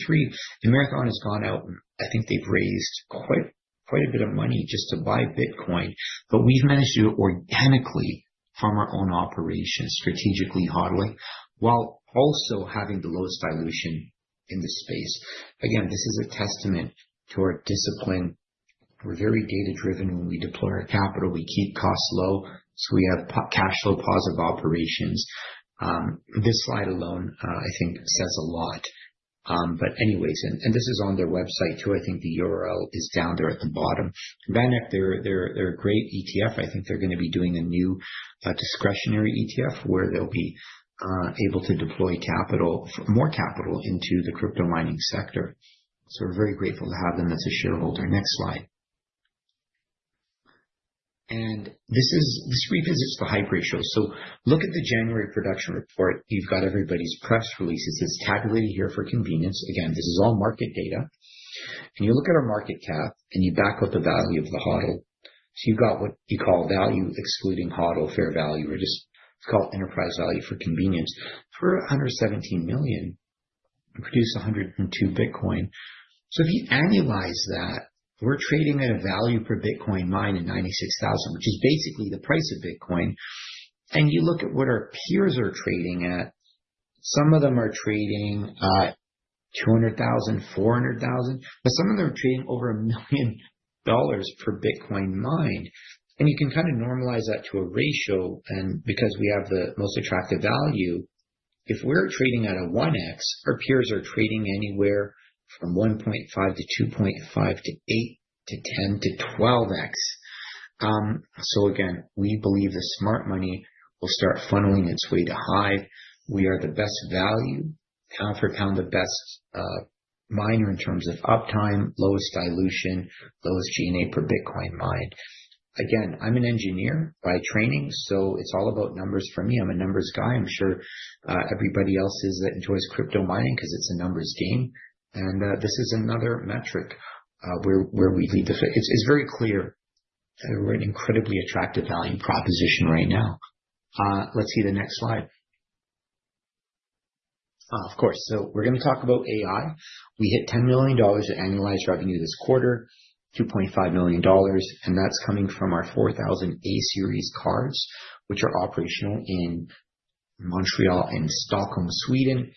63%. And Marathon has gone out, and I think they've raised quite a bit of money just to buy Bitcoin, but we've managed to organically farm our own operations strategically holistically while also having the lowest dilution in the space. Again, this is a testament to our discipline. We're very data-driven when we deploy our capital. We keep costs low, so we have cash flow positive operations. This slide alone, I think, says a lot, but anyways, and this is on their website too. I think the URL is down there at the bottom. VanEck, they're a great ETF. I think they're going to be doing a new discretionary ETF where they'll be able to deploy capital, more capital into the crypto mining sector. So we're very grateful to have them as a shareholder. Next slide. And this revisits the HIVE ratio. So look at the January production report. You've got everybody's press releases. It's tabulated here for convenience. Again, this is all market data. And you look at our market cap and you back up the value of the HODL. So you've got what you call value excluding HODL fair value. We're just, it's called enterprise value for convenience. For 117 million, we produce 102 Bitcoin. So if you annualize that, we're trading at a value per Bitcoin mine of 96,000, which is basically the price of Bitcoin. And you look at what our peers are trading at. Some of them are trading at 200,000, 400,000. But some of them are trading over $1 million per Bitcoin mine. And you can kind of normalize that to a ratio. And because we have the most attractive value, if we're trading at a 1x, our peers are trading anywhere from 1.5 to 2.5 to 8 to 10 to 12x. So again, we believe the smart money will start funneling its way to HIVE. We are the best value, pound for pound, the best miner in terms of uptime, lowest dilution, lowest G&A per Bitcoin mined. Again, I'm an engineer by training. So it's all about numbers for me. I'm a numbers guy. I'm sure everybody else is that enjoys crypto mining because it's a numbers game. And this is another metric where we lead the field. It's very clear. We're at an incredibly attractive value proposition right now. Let's see the next slide. Of course. We're going to talk about AI. We hit $10 million in annualized revenue this quarter, $2.5 million. That's coming from our 4,000 A-Series cards, which are operational in Montreal and Stockholm, Sweden.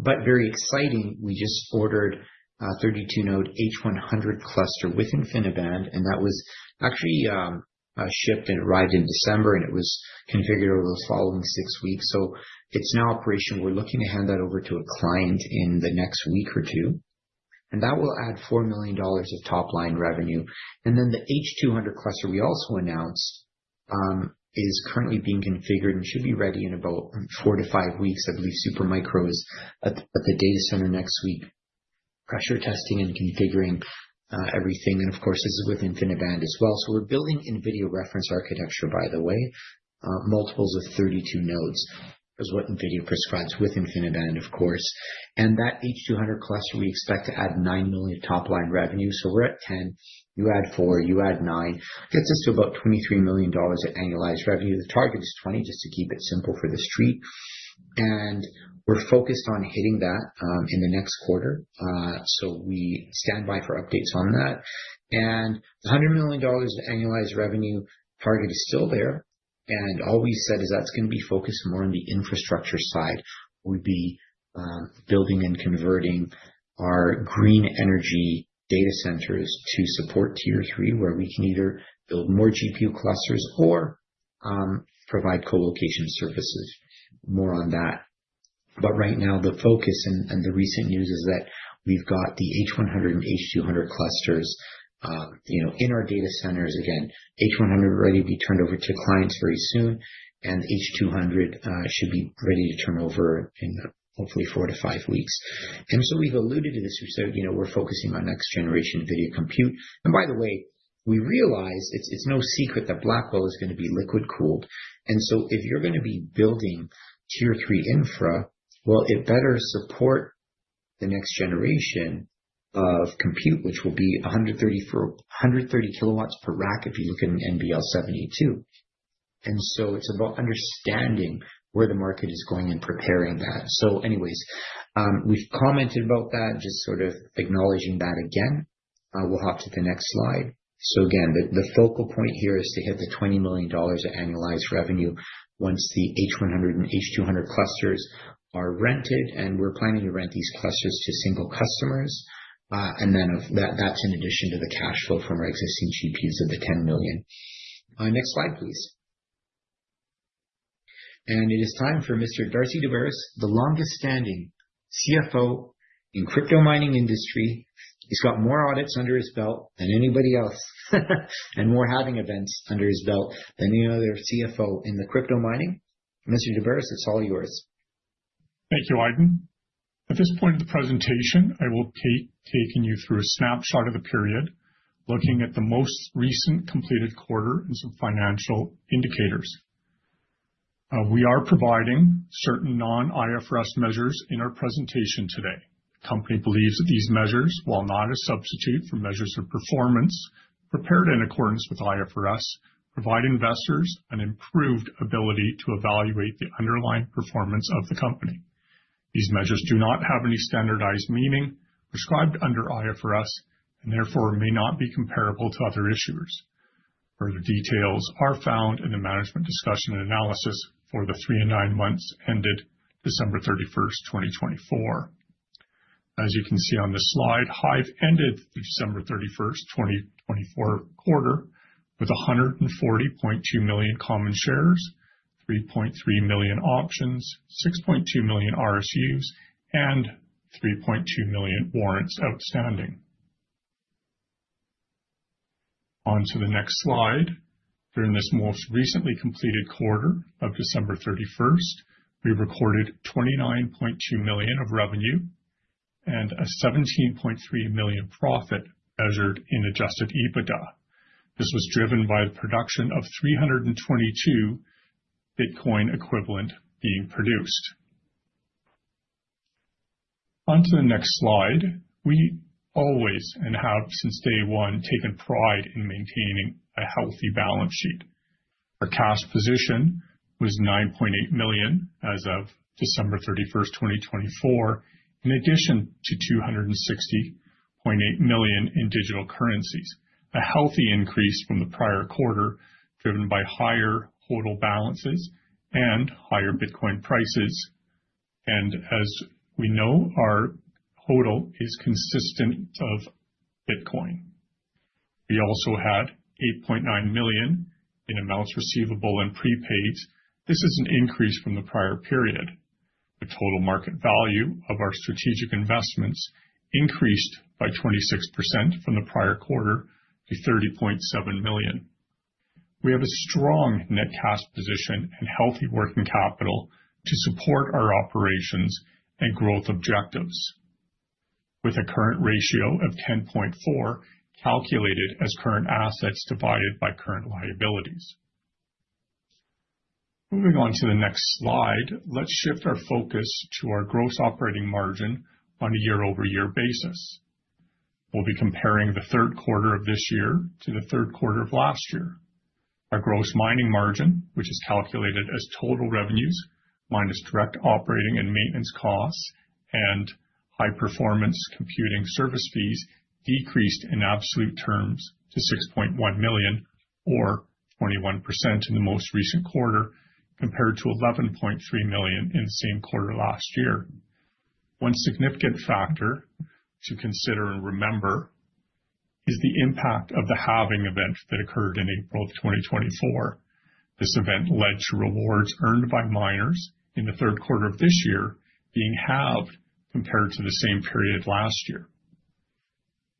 Very exciting, we just ordered a 32-node H100 cluster with InfiniBand. That was actually shipped and arrived in December. It was configured over the following six weeks. It's now operational. We're looking to hand that over to a client in the next week or two. That will add $4 million of top-line revenue. Then the H200 cluster we also announced is currently being configured and should be ready in about four to five weeks. I believe Supermicro is at the data center next week, pressure testing and configuring everything. Of course, this is with InfiniBand as well. So we're building NVIDIA reference architecture, by the way. Multiples of 32 nodes is what NVIDIA prescribes with InfiniBand, of course. And that H200 cluster, we expect to add nine million top-line revenue. So we're at 10. You add four, you add nine. Gets us to about $23 million at annualized revenue. The target is 20, just to keep it simple for the street. And we're focused on hitting that in the next quarter. So we stand by for updates on that. And the $100 million of annualized revenue target is still there. And all we said is that's going to be focused more on the infrastructure side. We'll be building and converting our green energy data centers to support Tier 3, where we can either build more GPU clusters or provide co-location services, more on that. Right now, the focus and the recent news is that we've got the H100 and H200 clusters, you know, in our data centers. Again, H100 ready to be turned over to clients very soon. H200 should be ready to turn over in hopefully four to five weeks. We've alluded to this. We said, you know, we're focusing on next-generation NVIDIA compute. By the way, we realize it's no secret that Blackwell is going to be liquid-cooled. If you're going to be building Tier 3 infra, well, it better support the next generation of compute, which will be 130 kW per rack if you look at an NVL72. It's about understanding where the market is going and preparing that. We've commented about that, just sort of acknowledging that again. We'll hop to the next slide. So again, the focal point here is to hit the $20 million of annualized revenue once the H100 and H200 clusters are rented. And we're planning to rent these clusters to single customers. And then that's in addition to the cash flow from our existing GPUs of the $10 million. Next slide, please. And it is time for Mr. Darcy Daubaras, the longest-standing CFO in the crypto mining industry. He's got more audits under his belt than anybody else and more halving events under his belt than any other CFO in the crypto mining. Mr. Daubaras, it's all yours. Thank you, Aydin. At this point in the presentation, I will be taking you through a snapshot of the period, looking at the most recent completed quarter and some financial indicators. We are providing certain non-IFRS measures in our presentation today. The company believes that these measures, while not a substitute for measures of performance, are prepared in accordance with IFRS, provide investors an improved ability to evaluate the underlying performance of the company. These measures do not have any standardized meaning prescribed under IFRS and therefore may not be comparable to other issuers. Further details are found in the Management Discussion and Analysis for the three and nine months ended December 31st, 2024. As you can see on this slide, HIVE ended the December 31st, 2024 quarter with 140.2 million common shares, 3.3 million options, 6.2 million RSUs, and 3.2 million warrants outstanding. On to the next slide. During this most recently completed quarter of December 31st, we recorded $29.2 million of revenue and a $17.3 million profit measured in Adjusted EBITDA. This was driven by the production of 322 Bitcoin equivalent being produced. On to the next slide. We always, and have since day one, taken pride in maintaining a healthy balance sheet. Our cash position was $9.8 million as of December 31st, 2024, in addition to $260.8 million in digital currencies, a healthy increase from the prior quarter driven by higher HODL balances and higher Bitcoin prices, and as we know, our HODL is consistent of Bitcoin. We also had $8.9 million in amounts receivable and prepaid. This is an increase from the prior period. The total market value of our strategic investments increased by 26% from the prior quarter to $30.7 million. We have a strong net cash position and healthy working capital to support our operations and growth objectives, with a current ratio of 10.4 calculated as current assets divided by current liabilities. Moving on to the next slide, let's shift our focus to our gross operating margin on a year-over-year basis. We'll be comparing the third quarter of this year to the third quarter of last year. Our gross mining margin, which is calculated as total revenues minus direct operating and maintenance costs and high-performance computing service fees, decreased in absolute terms to $6.1 million, or 21% in the most recent quarter, compared to $11.3 million in the same quarter last year. One significant factor to consider and remember is the impact of the halving event that occurred in April of 2024. This event led to rewards earned by miners in the third quarter of this year being halved compared to the same period last year.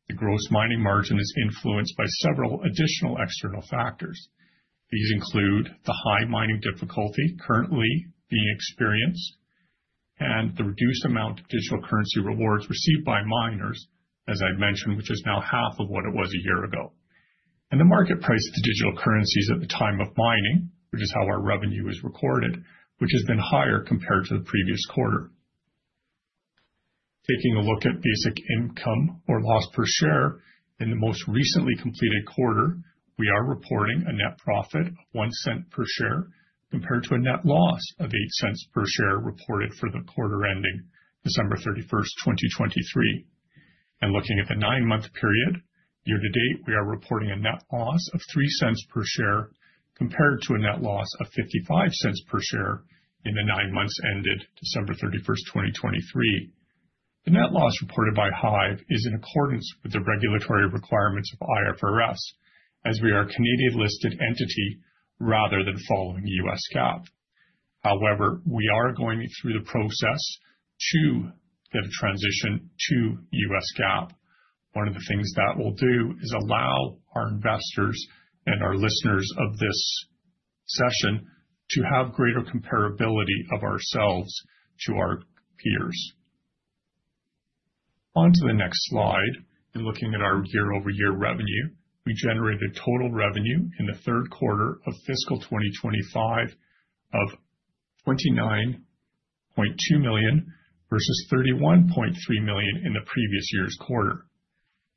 The gross mining margin is influenced by several additional external factors. These include the high mining difficulty currently being experienced and the reduced amount of digital currency rewards received by miners, as I mentioned, which is now half of what it was a year ago. The market price of the digital currencies at the time of mining, which is how our revenue is recorded, which has been higher compared to the previous quarter. Taking a look at basic income or loss per share in the most recently completed quarter, we are reporting a net profit of $0.01 per share compared to a net loss of $0.08 per share reported for the quarter ending December 31st, 2023. Looking at the nine-month period, year to date, we are reporting a net loss of $0.03 per share compared to a net loss of $0.55 per share in the nine months ended December 31st, 2023. The net loss reported by HIVE is in accordance with the regulatory requirements of IFRS, as we are a Canadian-listed entity rather than following U.S. GAAP. However, we are going through the process to get a transition to U.S. GAAP. One of the things that we'll do is allow our investors and our listeners of this session to have greater comparability of ourselves to our peers. On to the next slide. In looking at our year-over-year revenue, we generated total revenue in the third quarter of fiscal 2025 of $29.2 million versus $31.3 million in the previous year's quarter.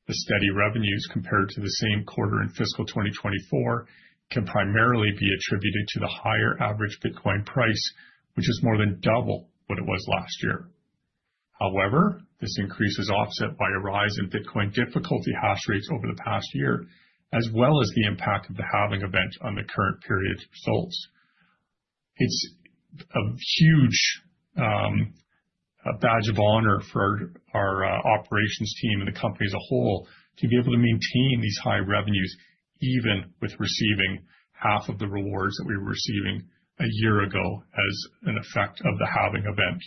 The steady revenues compared to the same quarter in fiscal 2024 can primarily be attributed to the higher average Bitcoin price, which is more than double what it was last year. However, this increase is offset by a rise in Bitcoin difficulty hash rates over the past year, as well as the impact of the halving event on the current period's results. It's a huge badge of honor for our operations team and the company as a whole to be able to maintain these high revenues, even with receiving half of the rewards that we were receiving a year ago as an effect of the halving event.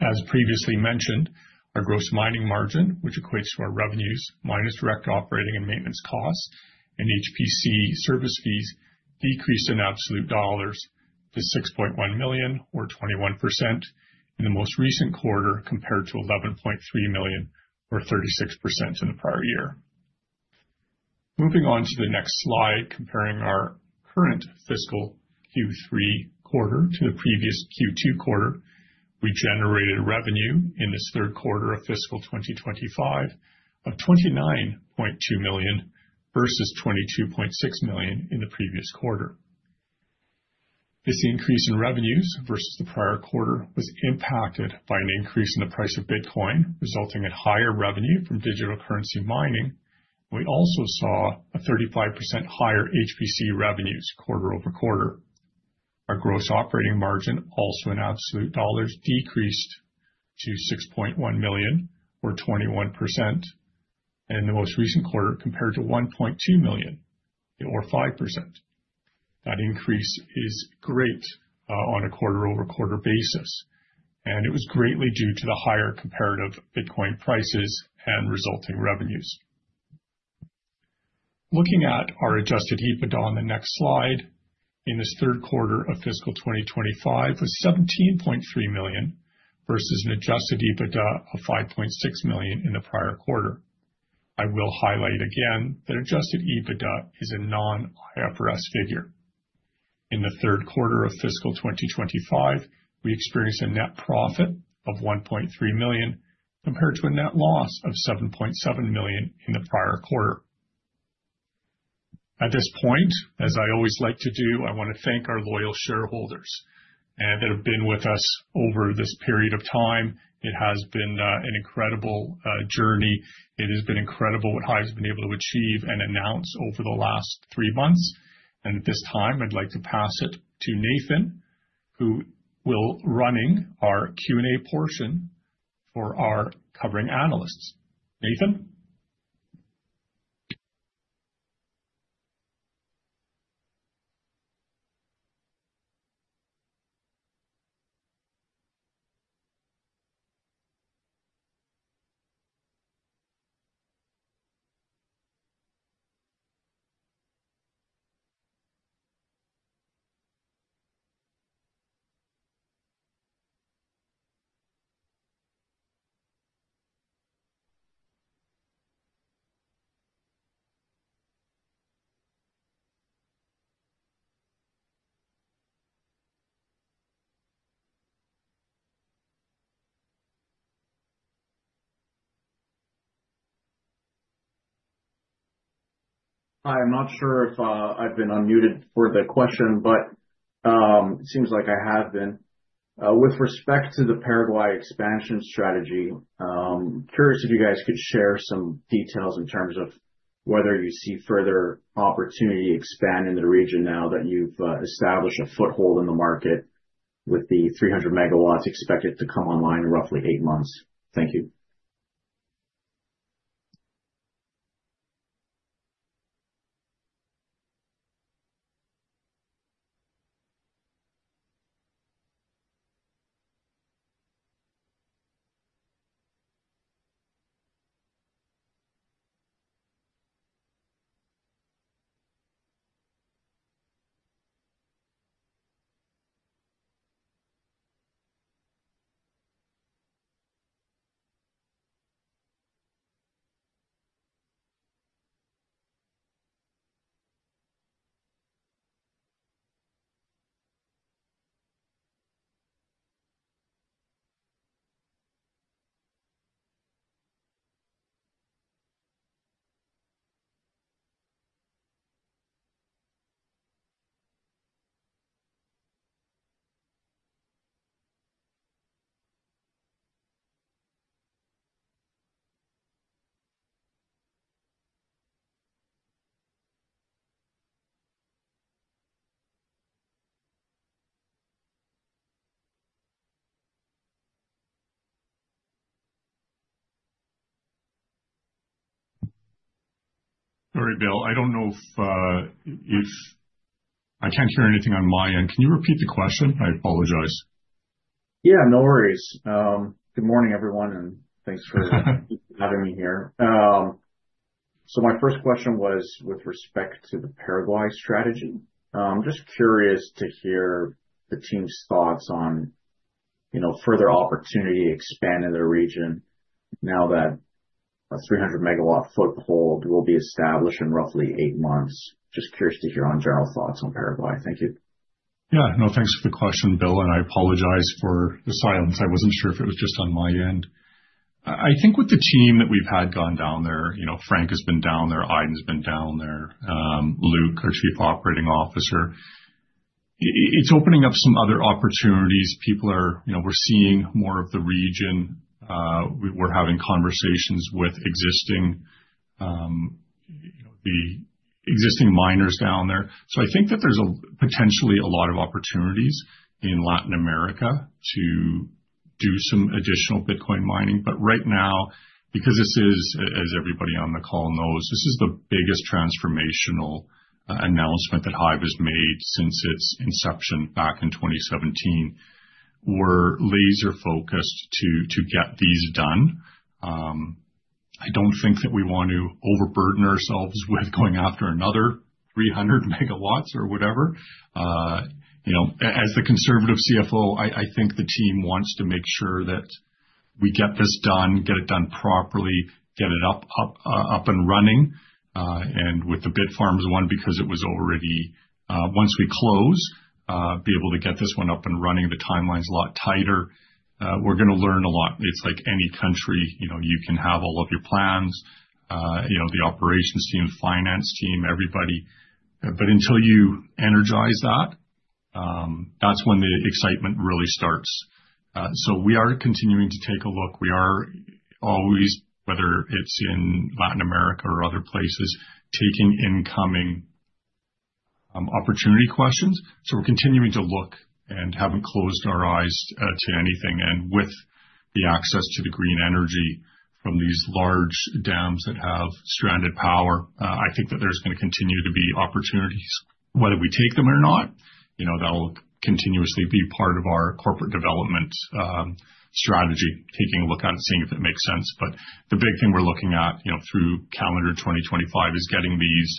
As previously mentioned, our gross mining margin, which equates to our revenues minus direct operating and maintenance costs and HPC service fees, decreased in absolute dollars to $6.1 million, or 21%, in the most recent quarter compared to $11.3 million, or 36% in the prior year. Moving on to the next slide, comparing our current fiscal Q3 quarter to the previous Q2 quarter, we generated revenue in this third quarter of fiscal 2025 of $29.2 million versus $22.6 million in the previous quarter. This increase in revenues versus the prior quarter was impacted by an increase in the price of Bitcoin, resulting in higher revenue from digital currency mining. We also saw a 35% higher HPC revenues quarter over quarter. Our gross operating margin, also in absolute dollars, decreased to $6.1 million, or 21%, and in the most recent quarter compared to $1.2 million, or 5%. That increase is great on a quarter-over-quarter basis. And it was greatly due to the higher comparative Bitcoin prices and resulting revenues. Looking at our adjusted EBITDA on the next slide, in this third quarter of fiscal 2025 was $17.3 million versus an adjusted EBITDA of $5.6 million in the prior quarter. I will highlight again that adjusted EBITDA is a non-IFRS figure. In the third quarter of fiscal 2025, we experienced a net profit of $1.3 million compared to a net loss of $7.7 million in the prior quarter. At this point, as I always like to do, I want to thank our loyal shareholders that have been with us over this period of time. It has been an incredible journey. It has been incredible what HIVE has been able to achieve and announce over the last three months. And at this time, I'd like to pass it to Nathan, who will be running our Q&A portion for our covering analysts. Nathan? Hi. I'm not sure if I've been unmuted for the question, but it seems like I have been. With respect to the Paraguay expansion strategy, I'm curious if you guys could share some details in terms of whether you see further opportunity expanding in the region now that you've established a foothold in the market with the 300 MW expected to come online in roughly eight months. Thank you. All right, Bill. I don't know if I can't hear anything on my end. Can you repeat the question? I apologize. Yeah, no worries. Good morning, everyone, and thanks for having me here. So my first question was with respect to the Paraguay strategy. I'm just curious to hear the team's thoughts on further opportunity expanding in the region now that a 300 MW foothold will be established in roughly eight months. Just curious to hear general thoughts on Paraguay. Thank you. Yeah. No, thanks for the question, Bill. And I apologize for the silence. I wasn't sure if it was just on my end. I think with the team that we've had gone down there, Frank has been down there, Aydin's been down there, Luke, our Chief Operating Officer. It's opening up some other opportunities. We're seeing more of the region. We're having conversations with the existing miners down there. I think that there's potentially a lot of opportunities in Latin America to do some additional Bitcoin mining. But right now, because this is, as everybody on the call knows, this is the biggest transformational announcement that HIVE has made since its inception back in 2017, we're laser-focused to get these done. I don't think that we want to overburden ourselves with going after another 300 MW or whatever. As the conservative CFO, I think the team wants to make sure that we get this done, get it done properly, get it up and running, and with the Bitfarms one, because it was already once we close, be able to get this one up and running, the timeline's a lot tighter. We're going to learn a lot. It's like any country. You can have all of your plans, the operations team, the finance team, everybody, but until you energize that, that's when the excitement really starts, so we are continuing to take a look. We are always, whether it's in Latin America or other places, taking incoming opportunity questions, so we're continuing to look and haven't closed our eyes to anything, and with the access to the green energy from these large dams that have stranded power, I think that there's going to continue to be opportunities. Whether we take them or not, that'll continuously be part of our corporate development strategy, taking a look at it, seeing if it makes sense. But the big thing we're looking at through calendar 2025 is getting these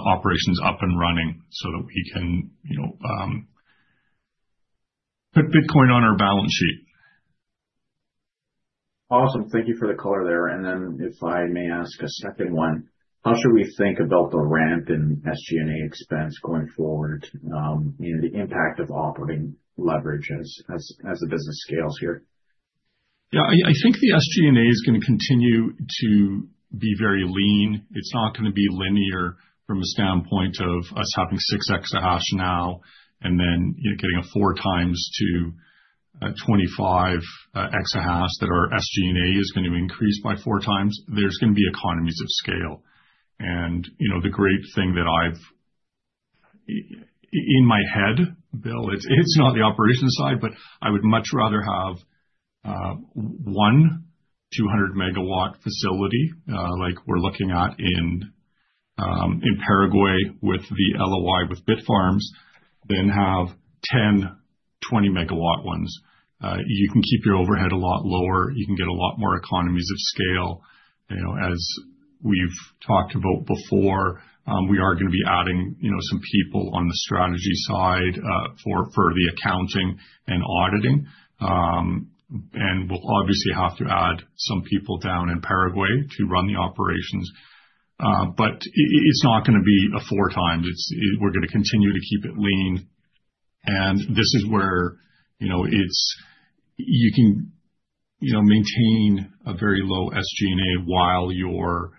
operations up and running so that we can put Bitcoin on our balance sheet. Awesome. Thank you for the color there. And then if I may ask a second one, how should we think about the ramp in SG&A expense going forward, the impact of operating leverage as the business scales here? Yeah, I think the SG&A is going to continue to be very lean. It's not going to be linear from the standpoint of us having 6 EH/s now and then getting a 4 times to 25 EH/s that our SG&A is going to increase by 4 times. There's going to be economies of scale. The great thing that I have in my head, Bill, it's not the operations side, but I would much rather have one 200 MW facility like we're looking at in Paraguay with the LOI with Bitfarms than have 10 MW, 20 MW ones. You can keep your overhead a lot lower. You can get a lot more economies of scale. As we've talked about before, we are going to be adding some people on the strategy side for the accounting and auditing. And we'll obviously have to add some people down in Paraguay to run the operations. But it's not going to be a 4 times. We're going to continue to keep it lean. And this is where you can maintain a very low SG&A while your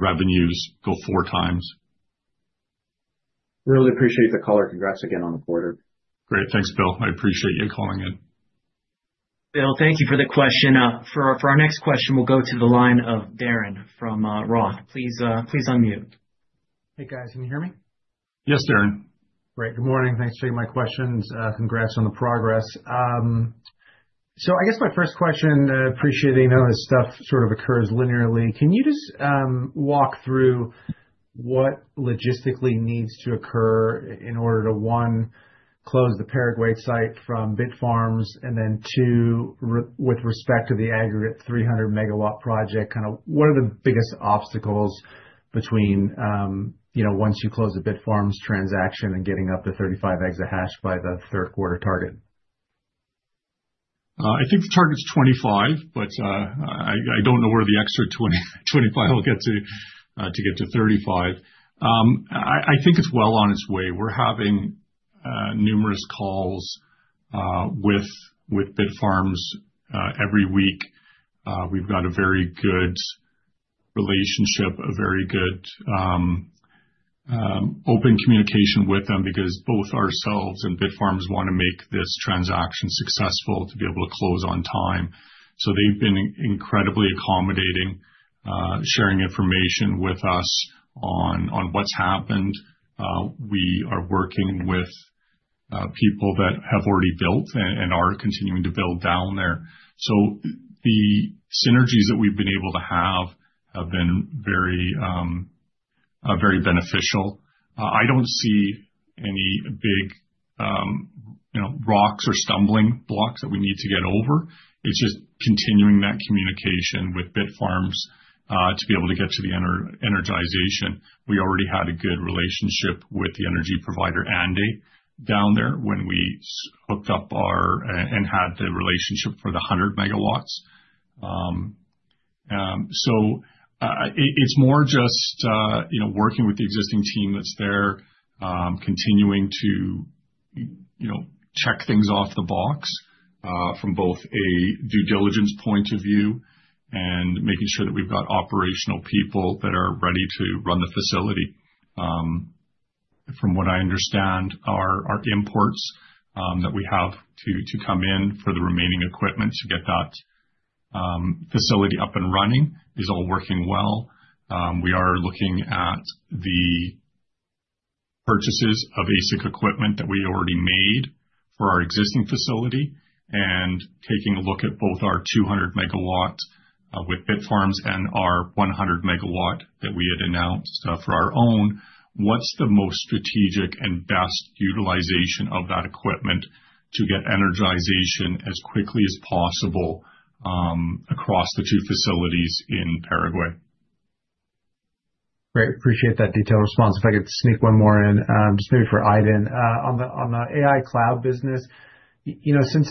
revenues go 4 times. Really appreciate the color. Congrats again on the quarter. Great. Thanks, Bill. I appreciate you calling in. Bill, thank you for the question. For our next question, we'll go to the line of Darren from Roth. Please unmute. Hey, guys. Can you hear me? Yes, Darren. Great. Good morning. Thanks for taking my questions. Congrats on the progress. So I guess my first question, appreciating that stuff sort of occurs linearly, can you just walk through what logistically needs to occur in order to, one, close the Paraguay site from Bitfarms, and then, two, with respect to the aggregate 300 MW project, kind of what are the biggest obstacles once you close the Bitfarms transaction and getting up to 35 EH/s by the third-quarter target? I think the target's 25, but I don't know where the extra 25 will get to get to 35. I think it's well on its way. We're having numerous calls with Bitfarms every week. We've got a very good relationship, a very good open communication with them because both ourselves and Bitfarms want to make this transaction successful to be able to close on time. So they've been incredibly accommodating, sharing information with us on what's happened. We are working with people that have already built and are continuing to build down there. So the synergies that we've been able to have have been very beneficial. I don't see any big rocks or stumbling blocks that we need to get over. It's just continuing that communication with Bitfarms to be able to get to the energization. We already had a good relationship with the energy provider, ANDE, down there when we hooked up our end and had the relationship for the 100 MW. So it's more just working with the existing team that's there, continuing to check things off the list from both a due diligence point of view and making sure that we've got operational people that are ready to run the facility. From what I understand, our imports that we have to come in for the remaining equipment to get that facility up and running is all working well. We are looking at the purchases of ASIC equipment that we already made for our existing facility and taking a look at both our 200 MW with Bitfarms and our 100 MW that we had announced for our own. What's the most strategic and best utilization of that equipment to get energization as quickly as possible across the two facilities in Paraguay? Great. Appreciate that detailed response. If I could sneak one more in, just maybe for Aydin. On the AI cloud business, since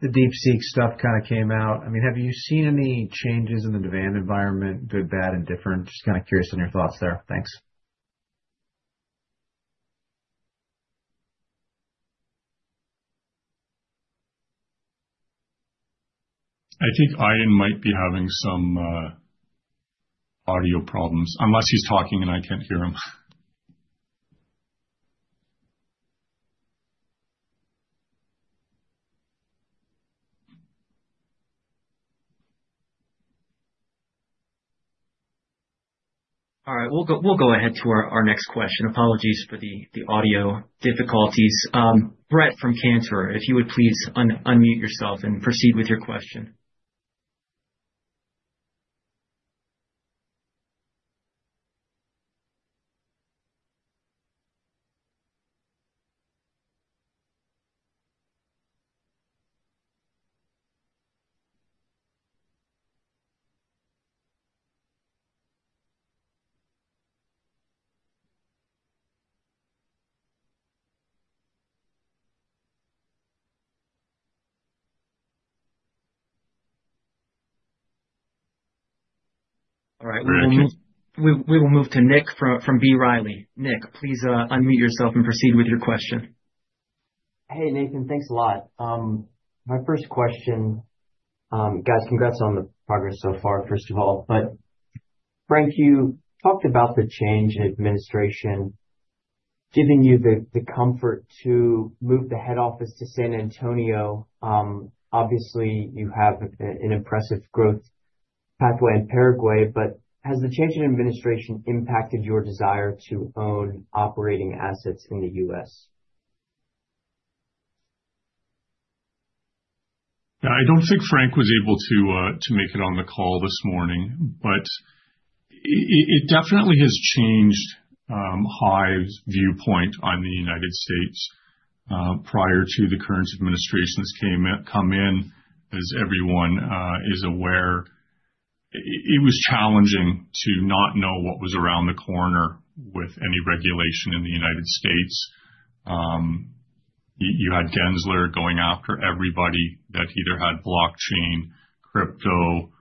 the DeepSeek stuff kind of came out, I mean, have you seen any changes in the demand environment, good, bad, and different? Just kind of curious on your thoughts there. Thanks. I think Aydin might be having some audio problems unless he's talking and I can't hear him. All right. We'll go ahead to our next question. Apologies for the audio difficulties. Brett from Cantor, if you would please unmute yourself and proceed with your question. All right. We will move to Nick from B. Riley. Nick, please unmute yourself and proceed with your question. Hey, Nathan, thanks a lot. My first question, guys, congrats on the progress so far, first of all. But Frank, you talked about the change in administration giving you the comfort to move the head office to San Antonio. Obviously, you have an impressive growth pathway in Paraguay, but has the change in administration impacted your desire to own operating assets in the U.S.? I don't think Frank was able to make it on the call this morning, but it definitely has changed HIVE's viewpoint on the United States. Prior to the current administration coming in, as everyone is aware, it was challenging to not know what was around the corner with any regulation in the United States. You had Gensler going after everybody that either had blockchain, crypto,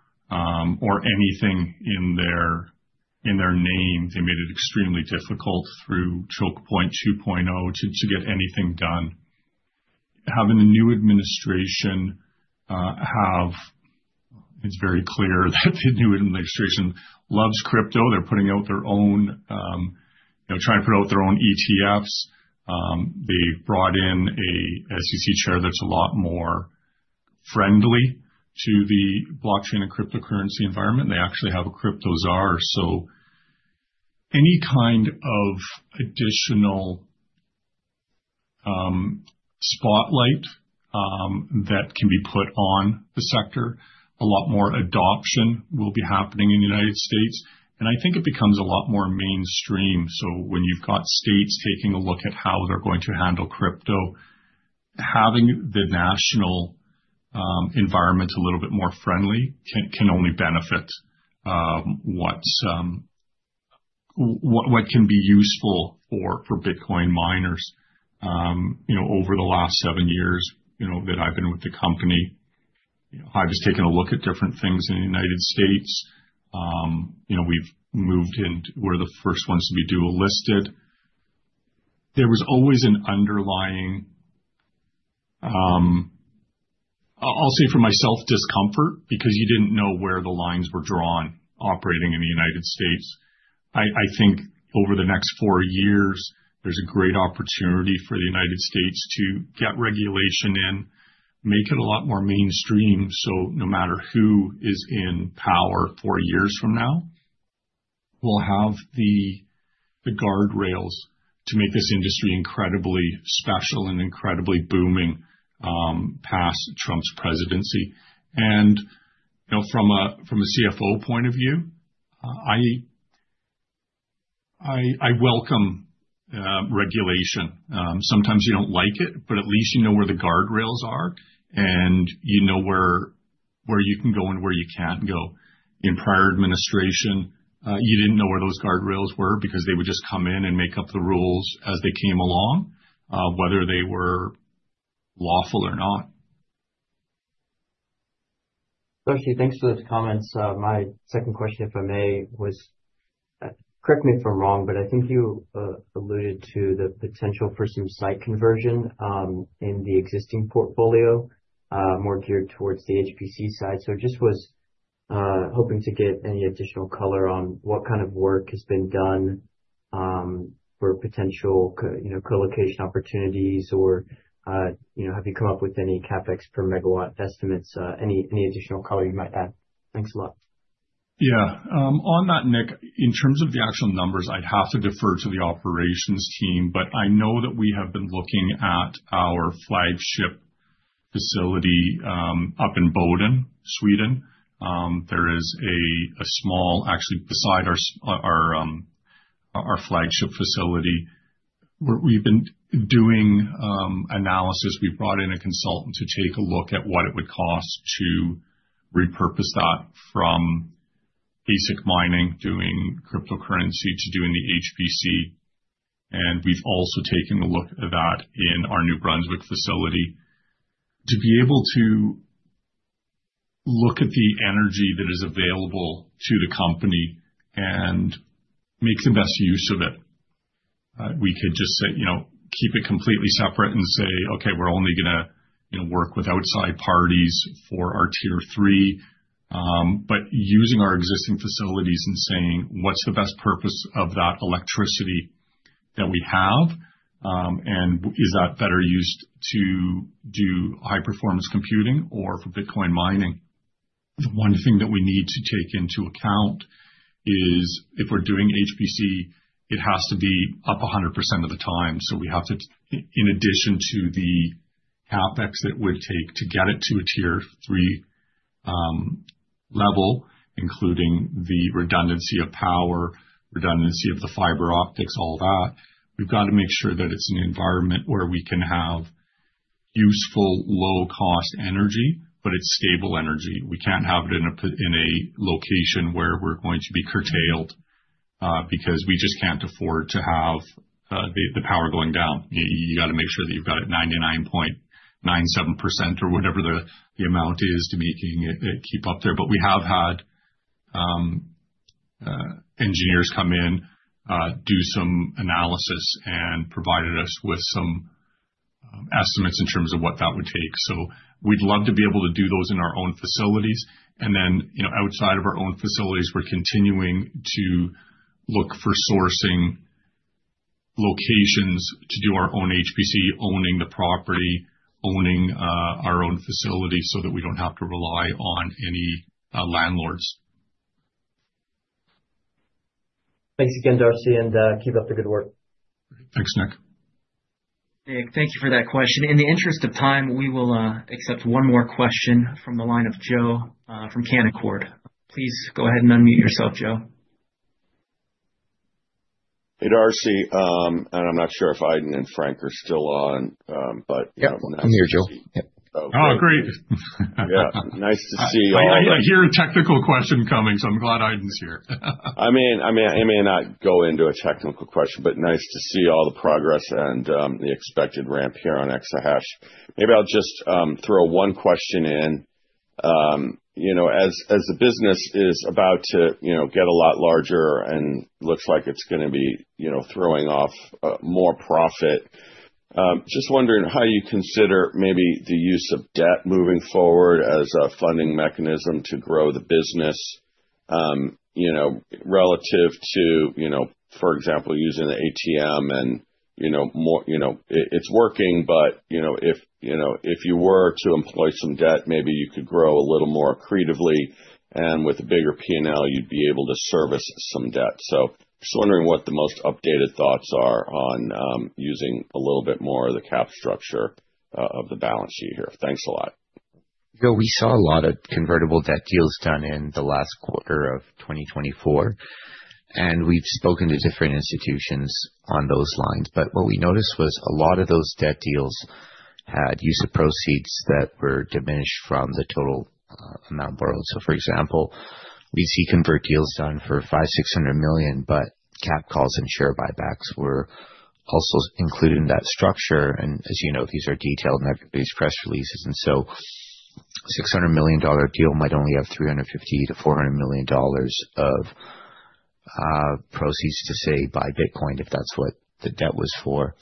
or anything in their name. They made it extremely difficult through Choke Point 2.0 to get anything done. Having the new administration, it's very clear that the new administration loves crypto. They're putting out their own trying to put out their own ETFs. They brought in a SEC chair that's a lot more friendly to the blockchain and cryptocurrency environment. They actually have a crypto czar, so any kind of additional spotlight that can be put on the sector, a lot more adoption will be happening in the United States, and I think it becomes a lot more mainstream, so when you've got states taking a look at how they're going to handle crypto, having the national environment a little bit more friendly can only benefit what can be useful for Bitcoin miners. Over the last seven years that I've been with the company, HIVE has taken a look at different things in the United States. We've moved in. We're the first ones to be dual-listed. There was always an underlying, I'll say for myself, discomfort because you didn't know where the lines were drawn operating in the United States. I think over the next four years, there's a great opportunity for the United States to get regulation in, make it a lot more mainstream, so no matter who is in power four years from now, we'll have the guardrails to make this industry incredibly special and incredibly booming past Trump's presidency, and from a CFO point of view, I welcome regulation. Sometimes you don't like it, but at least you know where the guardrails are and you know where you can go and where you can't go. In prior administration, you didn't know where those guardrails were because they would just come in and make up the rules as they came along, whether they were lawful or not. Darcy, thanks for those comments. My second question, if I may, correct me if I'm wrong, but I think you alluded to the potential for some site conversion in the existing portfolio, more geared towards the HPC side. So just was hoping to get any additional color on what kind of work has been done for potential co-location opportunities or have you come up with any CapEx per megawatt estimates? Any additional color you might add? Thanks a lot. Yeah. On that, Nick, in terms of the actual numbers, I'd have to defer to the operations team, but I know that we have been looking at our flagship facility up in Boden, Sweden. There is a small, actually, beside our flagship facility. We've been doing analysis. We brought in a consultant to take a look at what it would cost to repurpose that from ASIC mining, doing cryptocurrency, to doing the HPC. We've also taken a look at that in our New Brunswick facility to be able to look at the energy that is available to the company and make the best use of it. We could just keep it completely separate and say, "Okay, we're only going to work with outside parties for our Tier 3." But using our existing facilities and saying, "What's the best purpose of that electricity that we have? And is that better used to do high-performance computing or for Bitcoin mining?" The one thing that we need to take into account is if we're doing HPC, it has to be up 100% of the time. So we have to, in addition to the CapEx it would take to get it to a Tier 3 level, including the redundancy of power, redundancy of the fiber optics, all that, we've got to make sure that it's an environment where we can have useful, low-cost energy, but it's stable energy. We can't have it in a location where we're going to be curtailed because we just can't afford to have the power going down. You got to make sure that you've got it 99.97% or whatever the amount is to keep up there. But we have had engineers come in, do some analysis, and provided us with some estimates in terms of what that would take. So we'd love to be able to do those in our own facilities. Then outside of our own facilities, we're continuing to look for sourcing locations to do our own HPC, owning the property, owning our own facility so that we don't have to rely on any landlords. Thanks again, Darcy, and keep up the good work. Thanks, Nick. Nick, thank you for that question. In the interest of time, we will accept one more question from the line of Joe from Canaccord. Please go ahead and unmute yourself, Joe. Hey, Darcy. And I'm not sure if Aydin and Frank are still on, but yeah, I'm here, Joe. Oh, great. Yeah. Nice to see you all. I hear a technical question coming, so I'm glad Aydin's here. I may not go into a technical question, but nice to see all the progress and the expected ramp here on exahash. Maybe I'll just throw one question in. As the business is about to get a lot larger and looks like it's going to be throwing off more profit, just wondering how you consider maybe the use of debt moving forward as a funding mechanism to grow the business relative to, for example, using the ATM and it's working, but if you were to employ some debt, maybe you could grow a little more accretively and with a bigger P&L, you'd be able to service some debt. So just wondering what the most updated thoughts are on using a little bit more of the cap structure of the balance sheet here. Thanks a lot. Joe, we saw a lot of convertible debt deals done in the last quarter of 2024, and we've spoken to different institutions on those lines. But what we noticed was a lot of those debt deals had use of proceeds that were diminished from the total amount borrowed. So, for example, we see convert deals done for $5 million, $600 million, but cap calls and share buybacks were also included in that structure. And as you know, these are detailed in everybody's press releases. And so a $600 million deal might only have $350 million-$400 million of proceeds to say buy Bitcoin if that's what the debt was for.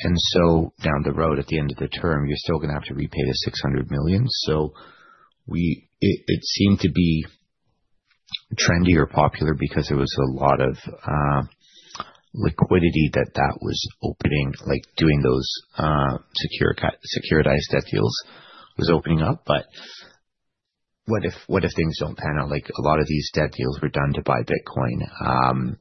And so down the road, at the end of the term, you're still going to have to repay the $600 million. So it seemed to be trendy or popular because there was a lot of liquidity that that was opening, like doing those securitized debt deals was opening up. But what if things don't pan out? A lot of these debt deals were done to buy Bitcoin.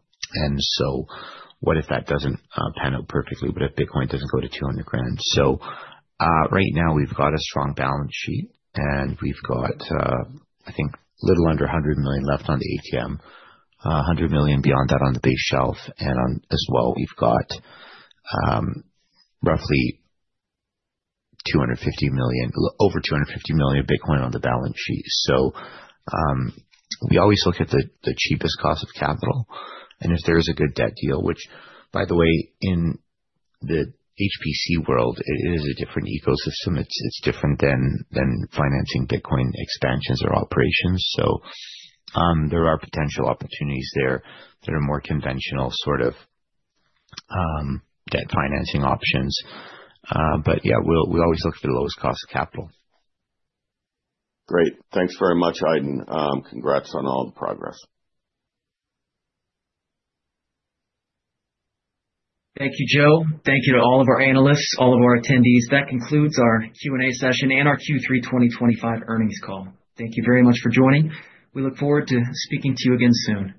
What if that doesn't pan out perfectly? What if Bitcoin doesn't go to 200,000? Right now, we've got a strong balance sheet, and we've got, I think, a little under $100 million left on the ATM, $100 million beyond that on the base shelf. As well, we've got roughly over $250 million Bitcoin on the balance sheet. We always look at the cheapest cost of capital. If there is a good debt deal, which, by the way, in the HPC world, it is a different ecosystem. It's different than financing Bitcoin expansions or operations. There are potential opportunities there that are more conventional sort of debt financing options. Yeah, we always look for the lowest cost of capital. Great. Thanks very much, Aydin. Congrats on all the progress. Thank you, Joe. Thank you to all of our analysts, all of our attendees. That concludes our Q&A session and our Q3 2025 earnings call. Thank you very much for joining. We look forward to speaking to you again soon.